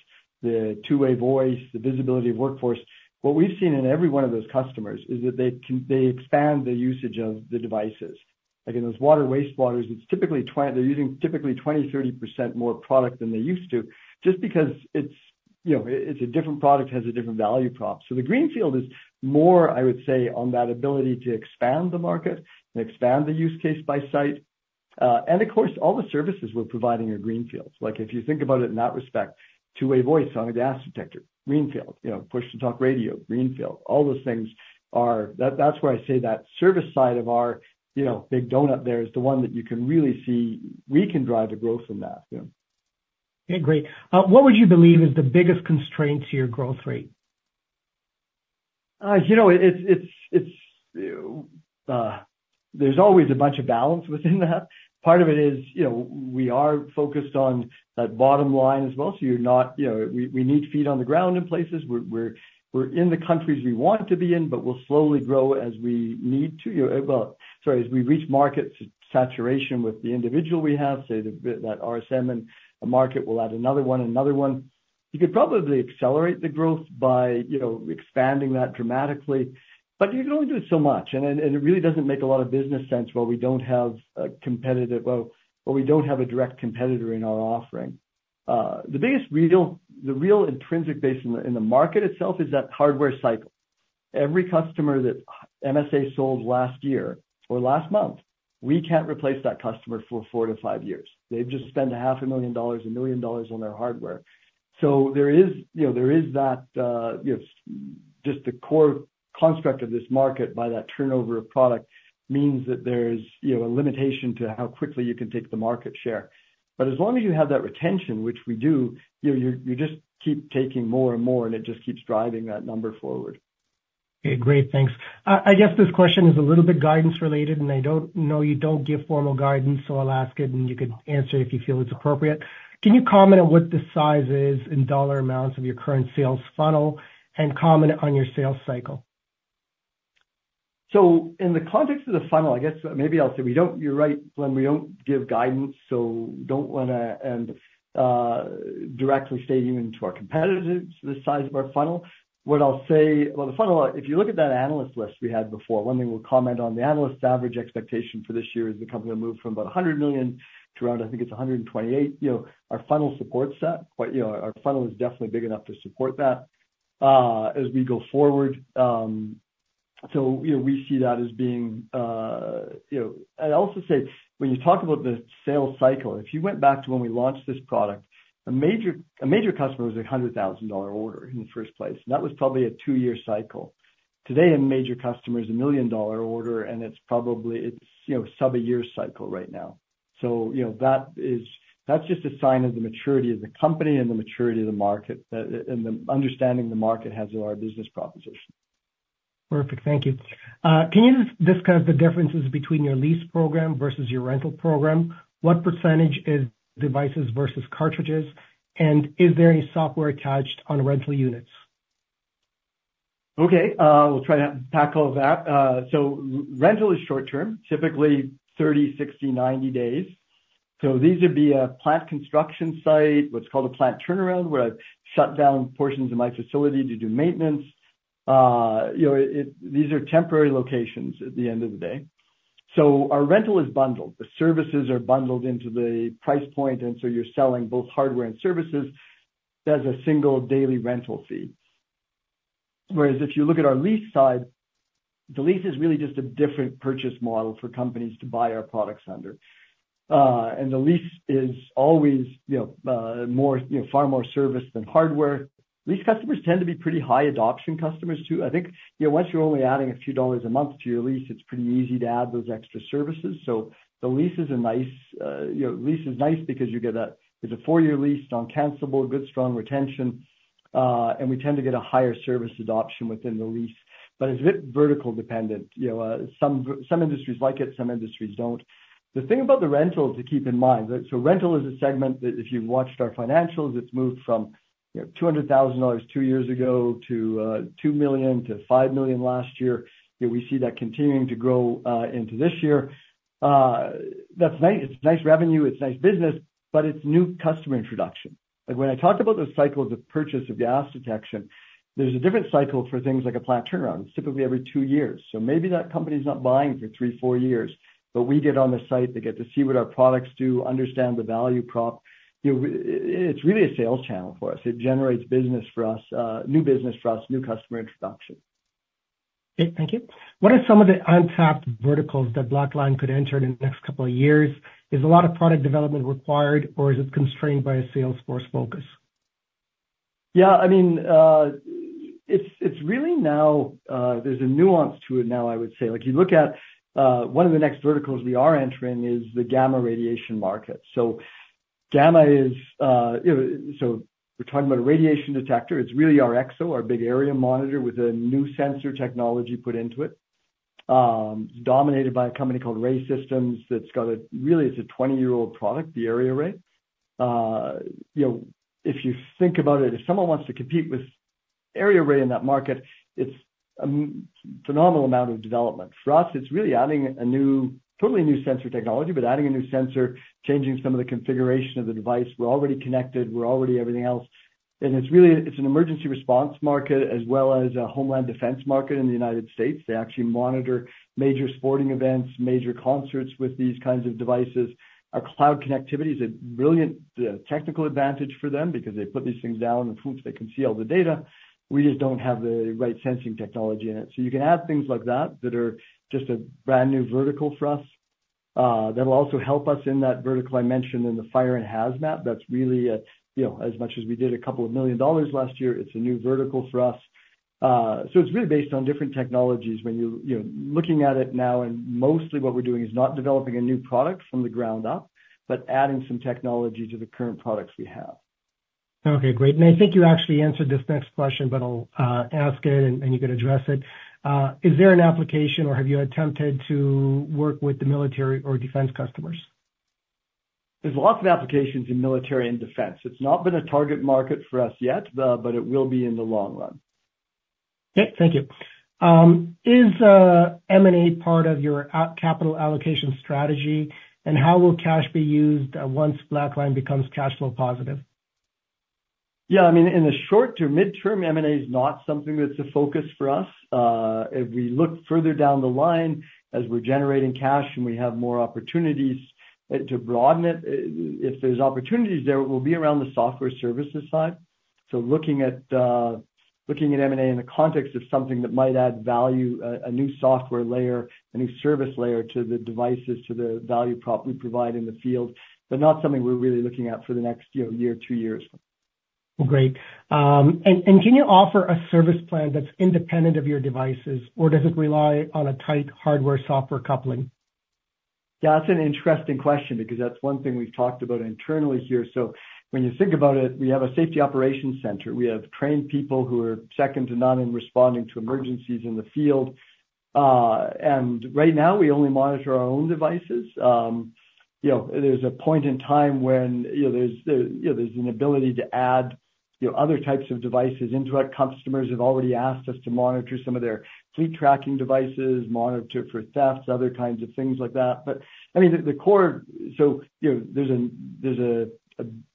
the two-way voice, the visibility of workforce, what we've seen in every one of those customers is that they can, they expand the usage of the devices. Like in those water, wastewater, it's typically they're using typically 20% to 30% more product than they used to just because it's, you know, it's a different product, has a different value prop. The greenfield is more, I would say, on that ability to expand the market and expand the use case by site. And of course, all the services we're providing are greenfields. Like if you think about it in that respect, two-way voice on a gas detector, greenfield. You know, push-to-talk radio, greenfield. That, that's where I say that service side of our, you know, big donut there is the one that you can really see we can drive the growth from that. Yeah. Okay, great. What would you believe is the biggest constraint to your growth rate? You know, it's there's always a bunch of balance within that. Part of it is, you know, we are focused on that bottom line as well. You're not, you know, we need feet on the ground in places. We're in the countries we want to be in, but we'll slowly grow as we need to. Well, sorry, as we reach market saturation with the individual we have, say, that RSM in a market, we'll add another one. You could probably accelerate the growth by, you know, expanding that dramatically, but you can only do it so much. It really doesn't make a lot of business sense while we don't have a direct competitor in our offering. The real intrinsic base in the market itself is that hardware cycle. Every customer that MSA sold last year or last month, we can't replace that customer for four to five years. They've just spent half a million dollars, a million dollars on their hardware. There is that, you know, just the core construct of this market by that turnover of product means that there's, you know, a limitation to how quickly you can take the market share. As long as you have that retention, which we do, you know, you just keep taking more and more, and it just keeps driving that number forward. Okay, great. Thanks. I guess this question is a little bit guidance related, and I don't know, you don't give formal guidance, so I'll ask it, and you can answer it if you feel it's appropriate. Can you comment on what the size is in dollar amounts of your current sales funnel and comment on your sales cycle? In the context of the funnel, I guess maybe I'll say You're right, Glen, we don't give guidance, so don't wanna and directly state even to our competitors the size of our funnel. What I'll say. Well, the funnel, if you look at that analyst list we had before, one thing we'll comment on the analyst average expectation for this year is the company will move from about 100 million to around, I think it's 128 million. You know, our funnel supports that. You know, our funnel is definitely big enough to support that, as we go forward. So, you know, we see that as being, you know. I'll also say, when you talk about the sales cycle, if you went back to when we launched this product, a major customer was a 100,000 dollar order in the first place, and that was probably a two-year cycle. Today, a major customer is a million dollar order, and it's probably you know, sub a year cycle right now. You know, that's just a sign of the maturity of the company and the maturity of the market, and the understanding the market has of our business proposition. Perfect. Thank you. Can you just discuss the differences between your lease program versus your rental program? What percentage is devices versus cartridges? And is there any software attached on rental units? Okay. We'll try to tackle that. Rental is short term, typically 30, 60, 90 days. These would be a plant construction site, what's called a plant turnaround, where I've shut down portions of my facility to do maintenance. You know, these are temporary locations at the end of the day. Our rental is bundled. The services are bundled into the price point, and so you're selling both hardware and services as a single daily rental fee. Whereas if you look at our lease side, the lease is really just a different purchase model for companies to buy our products under. And the lease is always, you know, more, you know, far more service than hardware. Lease customers tend to be pretty high adoption customers too. I think, you know, once you're only adding a few dollars a month to your lease, it's pretty easy to add those extra services. The lease is nice, you know, because it's a four-year lease, non-cancelable, good strong retention, and we tend to get a higher service adoption within the lease. It's a bit vertical dependent. You know, some industries like it, some industries don't. The thing about the rental to keep in mind, rental is a segment that if you've watched our financials, it's moved from, you know, 200,000 dollars two years ago to 2 million-5 million last year. You know, we see that continuing to grow into this year. That's nice. It's nice revenue, it's nice business, but it's new customer introduction. Like when I talked about those cycles of purchase of gas detection, there's a different cycle for things like a plant turnaround. It's typically every two years. Maybe that company's not buying for three to four years. We get on the site, they get to see what our products do, understand the value prop. You know, it's really a sales channel for us. It generates business for us, new business for us, new customer introduction. Okay, thank you. What are some of the untapped verticals that Blackline could enter in the next couple of years? Is a lot of product development required or is it constrained by a sales force focus? Yeah, I mean, it's really now, there's a nuance to it now, I would say. Like you look at, one of the next verticals we are entering is the gamma radiation market. So gamma is, you know, so we're talking about a radiation detector. It's really our EXO, our big area monitor with a new sensor technology put into it. It's dominated by a company called RAE Systems that's got, really it's a 20-year-old product, the AreaRAE. You know, if you think about it, if someone wants to compete with AreaRAE in that market, it's a phenomenal amount of development. For us, it's really adding a new, totally new sensor technology, but adding a new sensor, changing some of the configuration of the device. We're already connected, we're already everything else. It's really an emergency response market as well as a homeland defense market in the United States. They actually monitor major sporting events, major concerts with these kinds of devices. Our cloud connectivity is a brilliant technical advantage for them because they put these things down and poof, they can see all the data. We just don't have the right sensing technology in it. You can add things like that that are just a brand new vertical for us, that'll also help us in that vertical I mentioned in the fire and hazmat. That's really, you know, as much as we did a couple million dollars last year, it's a new vertical for us. It's really based on different technologies when you're, you know, looking at it now, and mostly what we're doing is not developing a new product from the ground up, but adding some technology to the current products we have. Okay, great. I think you actually answered this next question, but I'll ask it and you can address it. Is there an application or have you attempted to work with the military or defense customers? There's lots of applications in military and defense. It's not been a target market for us yet, but it will be in the long run. Okay, thank you. Is M&A part of your capital allocation strategy, and how will cash be used once Blackline becomes cash flow positive? Yeah, I mean, in the short to mid-term, M&A is not something that's a focus for us. If we look further down the line as we're generating cash and we have more opportunities to broaden it, if there's opportunities there, it will be around the software services side. Looking at M&A in the context of something that might add value, a new software layer, a new service layer to the devices, to the value prop we provide in the field, but not something we're really looking at for the next, you know, year, two years. Well, great. Can you offer a service plan that's independent of your devices, or does it rely on a tight hardware-software coupling? Yeah, that's an interesting question because that's one thing we've talked about internally here. When you think about it, we have a safety operations center. We have trained people who are second to none in responding to emergencies in the field. Right now we only monitor our own devices. You know, there's a point in time when there's an ability to add other types of devices. And a lot of customers have already asked us to monitor some of their fleet tracking devices, monitor for thefts, other kinds of things like that. I mean, the core. You know, there's a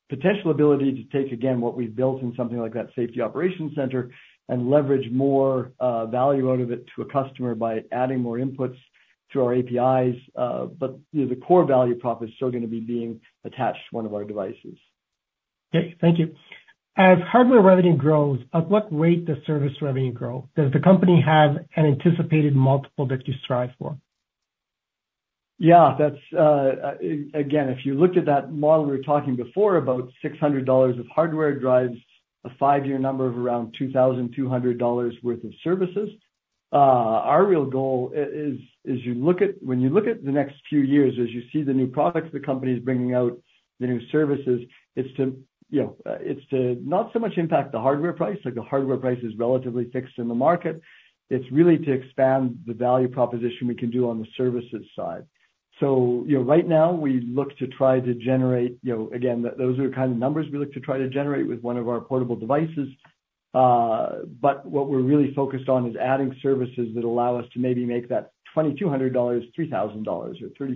potential ability to take, again, what we've built in something like that safety operations center and leverage more value out of it to a customer by adding more inputs through our APIs. You know, the core value prop is still gonna be being attached to one of our devices. Okay. Thank you. As hardware revenue grows, at what rate does service revenue grow? Does the company have an anticipated multiple that you strive for? Yeah, that's again, if you look at that model we were talking before about 600 dollars of hardware drives a five-year number of around 2,200 dollars worth of services. Our real goal is, when you look at the next few years, as you see the new products the company is bringing out, the new services, it's to, you know, not so much impact the hardware price, like the hardware price is relatively fixed in the market. It's really to expand the value proposition we can do on the services side. You know, right now we look to try to generate, you know, again, those are the kind of numbers we look to try to generate with one of our portable devices. What we're really focused on is adding services that allow us to maybe make that 2,200-3,000 dollars or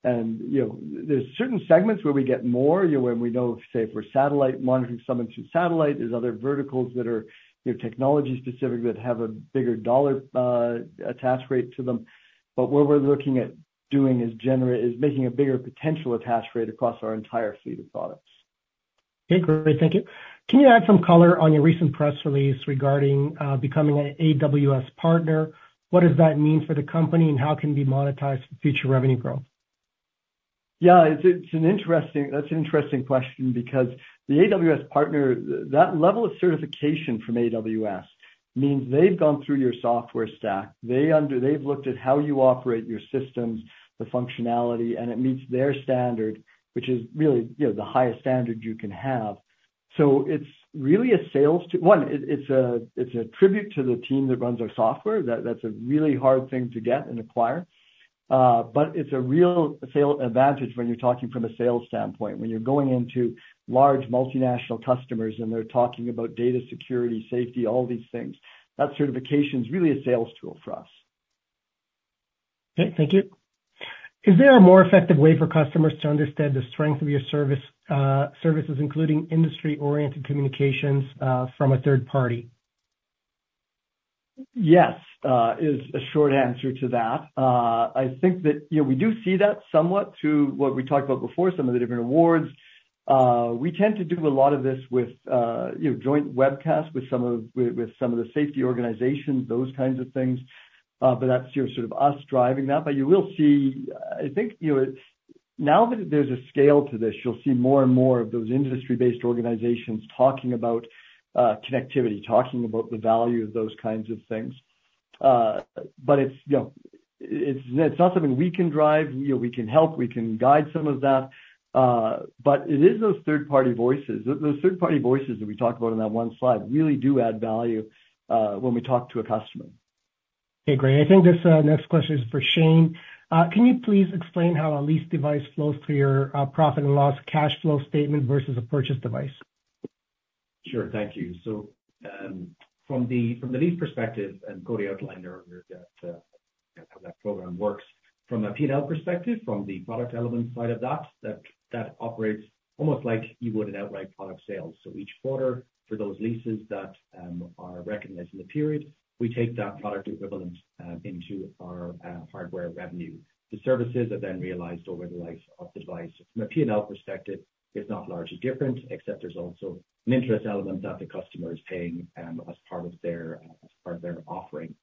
3,400 dollars. You know, there's certain segments where we get more, you know, when we, say for satellite, monitoring someone through satellite. There's other verticals that are, you know, technology-specific that have a bigger dollar attach rate to them. What we're looking at doing is making a bigger potential attach rate across our entire suite of products. Okay, great. Thank you. Can you add some color on your recent press release regarding becoming an AWS partner? What does that mean for the company, and how can we monetize the future revenue growth? It's an interesting question because the AWS partner, that level of certification from AWS means they've gone through your software stack. They've looked at how you operate your systems, the functionality, and it meets their standard, which is really, you know, the highest standard you can have. It's a tribute to the team that runs our software. That's a really hard thing to get and acquire. But it's a real sales advantage when you're talking from a sales standpoint, when you're going into large multinational customers, and they're talking about data security, safety, all these things. That certification is really a sales tool for us. Okay. Thank you. Is there a more effective way for customers to understand the strength of your services, including industry-oriented communications from a third party? Yes, is a short answer to that. I think that, you know, we do see that somewhat to what we talked about before, some of the different awards. We tend to do a lot of this with, you know, joint webcasts with some of, with some of the safety organizations, those kinds of things. That's your sort of us driving that. You will see, I think, you know, now that there's a scale to this, you'll see more and more of those industry-based organizations talking about, connectivity, talking about the value of those kinds of things. It's, you know, it's not something we can drive. You know, we can help, we can guide some of that, but it is those third-party voices. Those third-party voices that we talked about on that one slide really do add value when we talk to a customer. Okay, great. I think this next question is for Shane. Can you please explain how a lease device flows through your profit and loss cash flow statement versus a purchase device? Sure. Thank you. From the lease perspective, Cody outlined earlier that, you know, how that program works. From a P&L perspective, from the product element side of that operates almost like you would an outright product sale. Each quarter, for those leases that are recognized in the period, we take that product equivalent into our hardware revenue. The services are then realized over the life of the device. From a P&L perspective, it's not largely different, except there's also an interest element that the customer is paying as part of their offering.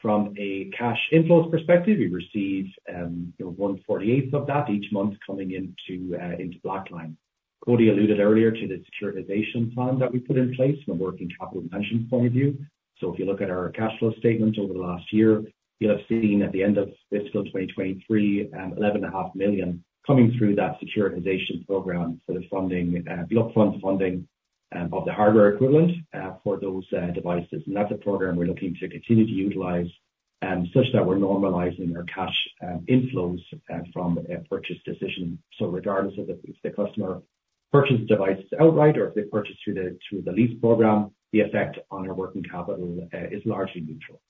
From a cash inflows perspective, we receive, you know, 1/48th of that each month coming into Blackline. Cody alluded earlier to the securitization plan that we put in place from a working capital management point of view. If you look at our cash flow statement over the last year, you'll have seen at the end of fiscal 2023, 11.5 million coming through that securitization program. There's funding, block funding, of the hardware equivalent for those devices. That's a program we're looking to continue to utilize, such that we're normalizing our cash inflows from a purchase decision. Regardless of if the customer purchased the device outright or if they purchased through the lease program, the effect on our working capital is largely neutral.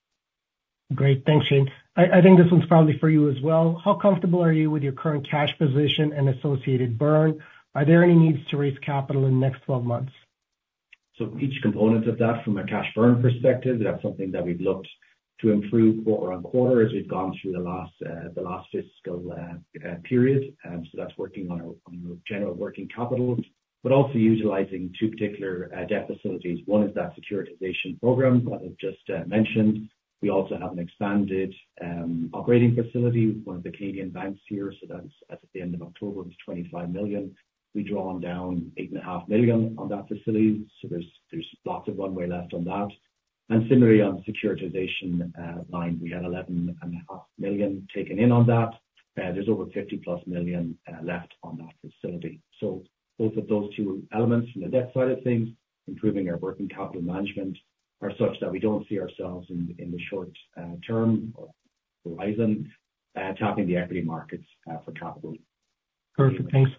Great. Thanks, Shane. I think this one's probably for you as well. How comfortable are you with your current cash position and associated burn? Are there any needs to raise capital in the next 12 months? Each component of that, from a cash burn perspective, that's something that we've looked to improve quarter-over-quarter as we've gone through the last fiscal period. That's working on our general working capital, but also utilizing two particular debt facilities. One is that securitization program that I've just mentioned. We also have an expanded operating facility with one of the Canadian banks here. That's at the end of October, it was 25 million. We've drawn down 8.5 million on that facility, so there's lots of runway left on that. Similarly, on the securitization line, we had 11.5 million taken in on that. There's over 50+ million left on that facility. Both of those two elements from the debt side of things, improving our working capital management are such that we don't see ourselves in the short term or top in the equity markets, for top of week. Perfect. Thanks.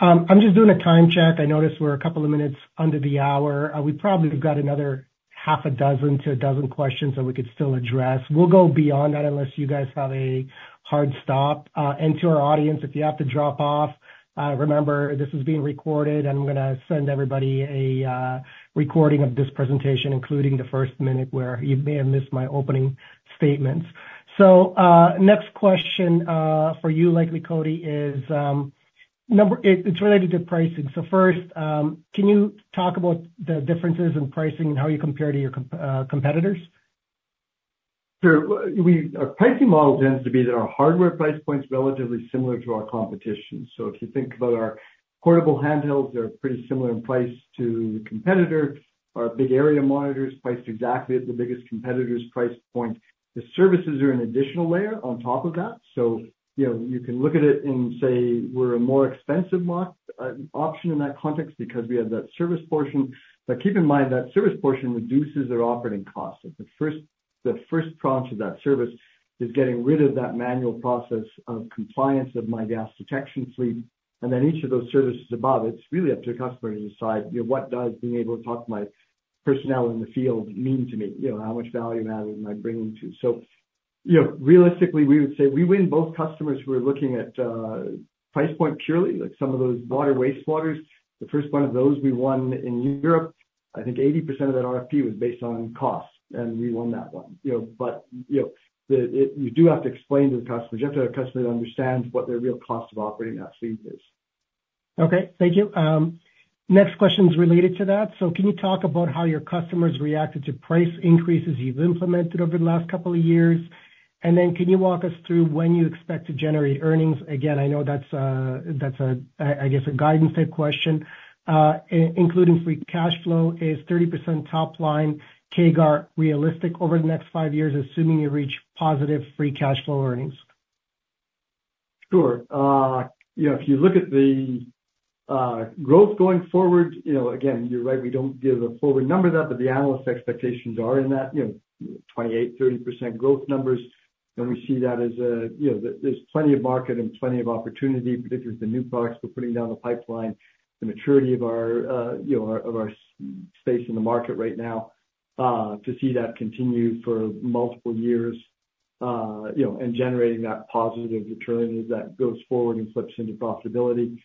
I'm just doing a time check. I noticed we're a couple of minutes under the hour. We probably have got another half a dozen to a dozen questions that we could still address. We'll go beyond that unless you guys have a hard stop. To our audience, if you have to drop off, remember this is being recorded, and I'm gonna send everybody a recording of this presentation, including the first minute where you may have missed my opening statements. Next question for you, likely Cody, is it's related to pricing. First, can you talk about the differences in pricing and how you compare to your competitors? Sure. Our pricing model tends to be that our hardware price point's relatively similar to our competition. If you think about our portable handhelds, they're pretty similar in price to the competitor. Our big area monitor is priced exactly at the biggest competitor's price point. The services are an additional layer on top of that. You know, you can look at it and say we're a more expensive option in that context because we have that service portion. Keep in mind that service portion reduces their operating costs. Like the first prong to that service is getting rid of that manual process of compliance of my gas detection fleet, and then each of those services above it. It's really up to a customer to decide, you know, what does being able to talk to my personnel in the field mean to me? You know, how much value added am I bringing to? You know, realistically, we would say we win both customers who are looking at price point purely, like some of those water and wastewaterers. The first one of those we won in Europe. I think 80% of that RFP was based on cost, and we won that one. You know, but you know, you do have to explain to the customer. You have to have a customer that understands what their real cost of operating that fleet is. Okay. Thank you. Next question is related to that. Can you talk about how your customers reacted to price increases you've implemented over the last couple of years? Can you walk us through when you expect to generate earnings? Again, I know that's a guidance type question. Including free cash flow, is 30% top line CAGR realistic over the next five years, assuming you reach positive free cash flow earnings? Sure. You know, if you look at the growth going forward, you know, again, you're right, we don't give a full-year number of that, but the analyst expectations are in that, you know, 28%-30% growth numbers. We see that as, you know, there's plenty of market and plenty of opportunity, particularly with the new products we're putting in the pipeline, the maturity of our space in the market right now, to see that continue for multiple years, you know, and generating that positive return as that goes forward and flips into profitability.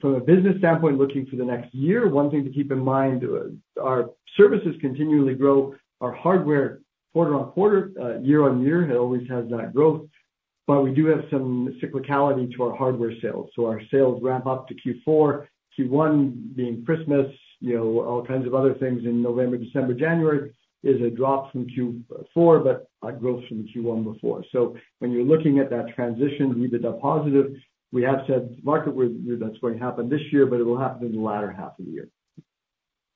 From a business standpoint, looking for the next year, one thing to keep in mind, our services continually grow our hardware quarter-over-quarter, year-over-year. It always has that growth, but we do have some cyclicality to our hardware sales. Our sales ramp up to Q4. Q1 being Christmas, you know, all kinds of other things in November, December, January is a drop from Q4, but a growth from the Q1 before. When you're looking at that transition, we've been positive. We have said market where that's going to happen this year, but it will happen in the latter half of the year.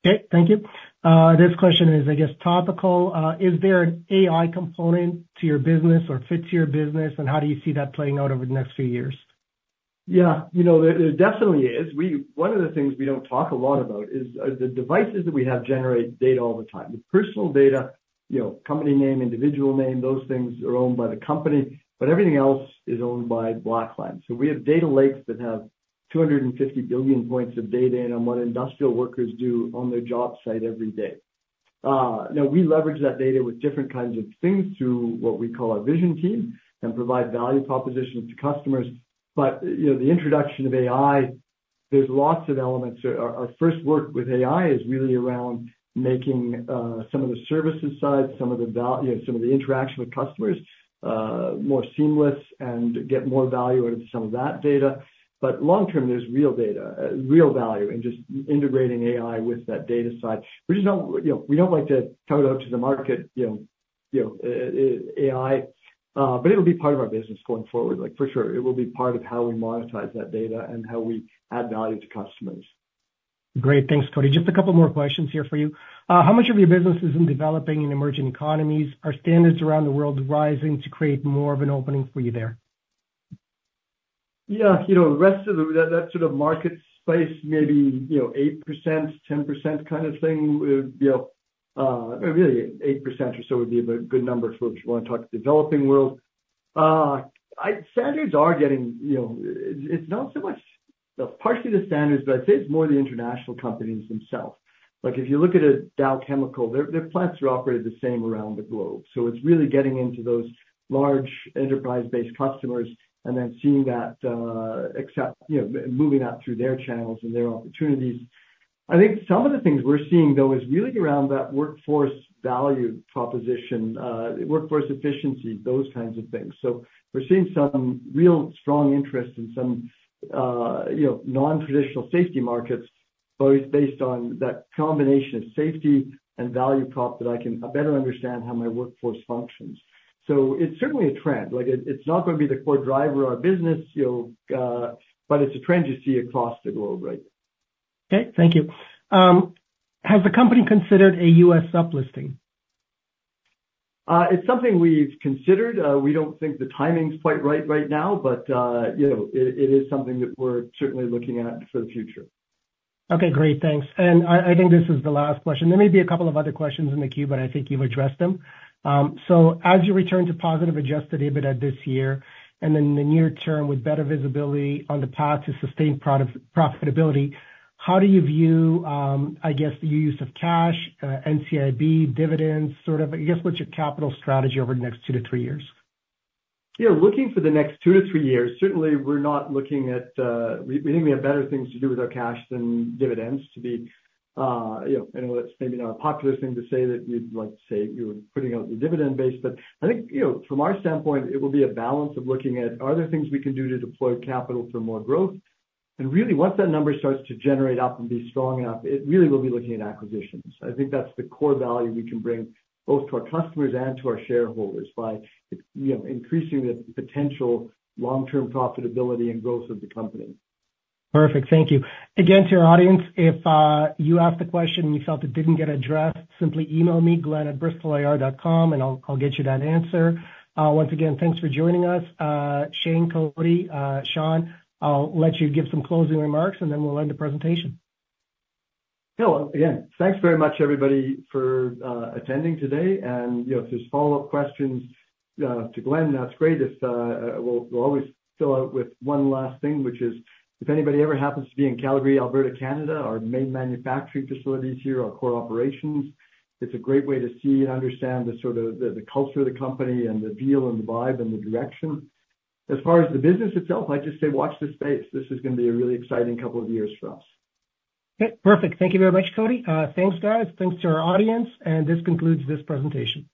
Okay. Thank you. This question is, I guess, topical. Is there an AI component to your business or fit to your business, and how do you see that playing out over the next few years? Yeah. You know, there definitely is. One of the things we don't talk a lot about are the devices that we have generate data all the time. Personal data, you know, company name, individual name, those things are owned by the company, but everything else is owned by Blackline. So we have data lakes that have 250 billion points of data in on what industrial workers do on their job site every day. Now we leverage that data with different kinds of things through what we call our vision team and provide value propositions to customers. You know, the introduction of AI, there's lots of elements. Our first work with AI is really around making some of the services side, some of the interaction with customers more seamless and get more value out of some of that data. Long term, there's real data, real value in just integrating AI with that data side. We just don't, you know, we don't like to throw it out to the market, you know, AI, but it'll be part of our business going forward. Like, for sure, it will be part of how we monetize that data and how we add value to customers. Great. Thanks, Cody. Just a couple more questions here for you. How much of your business is in developing in emerging economies? Are standards around the world rising to create more of an opening for you there? Yeah. You know, the rest of the that sort of market space, maybe, you know, 8%-10% kind of thing. You know, really 8% or so would be a good number for if you wanna talk developing world. Standards are getting, you know. Well, partially the standards, but I'd say it's more the international companies themselves. Like, if you look at a Dow Chemical, their plants are operated the same around the globe. It's really getting into those large enterprise-based customers and then seeing that accept, you know, moving that through their channels and their opportunities. I think some of the things we're seeing, though, is really around that workforce value proposition, workforce efficiency, those kinds of things. We're seeing some real strong interest in some, you know, non-traditional safety markets, both based on that combination of safety and value prop that I can better understand how my workforce functions. It's certainly a trend. Like, it's not gonna be the core driver of business, you know, but it's a trend you see across the globe right now. Okay, thank you. Has the company considered a U.S. supplemental listing? It's something we've considered. We don't think the timing's quite right now, but you know, it is something that we're certainly looking at for the future. Okay, great. Thanks. I think this is the last question. There may be a couple of other questions in the queue, but I think you've addressed them. So as you return to positive adjusted EBITDA this year, and in the near term with better visibility on the path to sustained profitability, how do you view, I guess, the use of cash, NCIB dividends, sort of, I guess, what's your capital strategy over the next two to three years? Yeah. Looking for the next two to three years, certainly we're not looking at we think we have better things to do with our cash than dividends to be, you know. I know that's maybe not a popular thing to say that we'd like to say we were putting out the dividend base, but I think, you know, from our standpoint, it will be a balance of looking at are there things we can do to deploy capital for more growth? Really, once that number starts to generate up and be strong enough, it really will be looking at acquisitions. I think that's the core value we can bring both to our customers and to our shareholders by, you know, increasing the potential long-term profitability and growth of the company. Perfect. Thank you. Again, to our audience, if you asked a question and you felt it didn't get addressed, simply email me, glen@bristolir.com, and I'll get you that answer. Once again, thanks for joining us. Shane, Cody, Sean, I'll let you give some closing remarks, and then we'll end the presentation. Yeah. Again, thanks very much, everybody, for attending today. You know, if there's follow-up questions to Glen, that's great. We'll always fill out with one last thing, which is if anybody ever happens to be in Calgary, Alberta, Canada, our main manufacturing facility is here, our core operations. It's a great way to see and understand the sort of the culture of the company and the feel and the vibe and the direction. As far as the business itself, I just say watch this space. This is gonna be a really exciting couple of years for us. Okay. Perfect. Thank you very much, Cody. Thanks, guys. Thanks to our audience, and this concludes this presentation.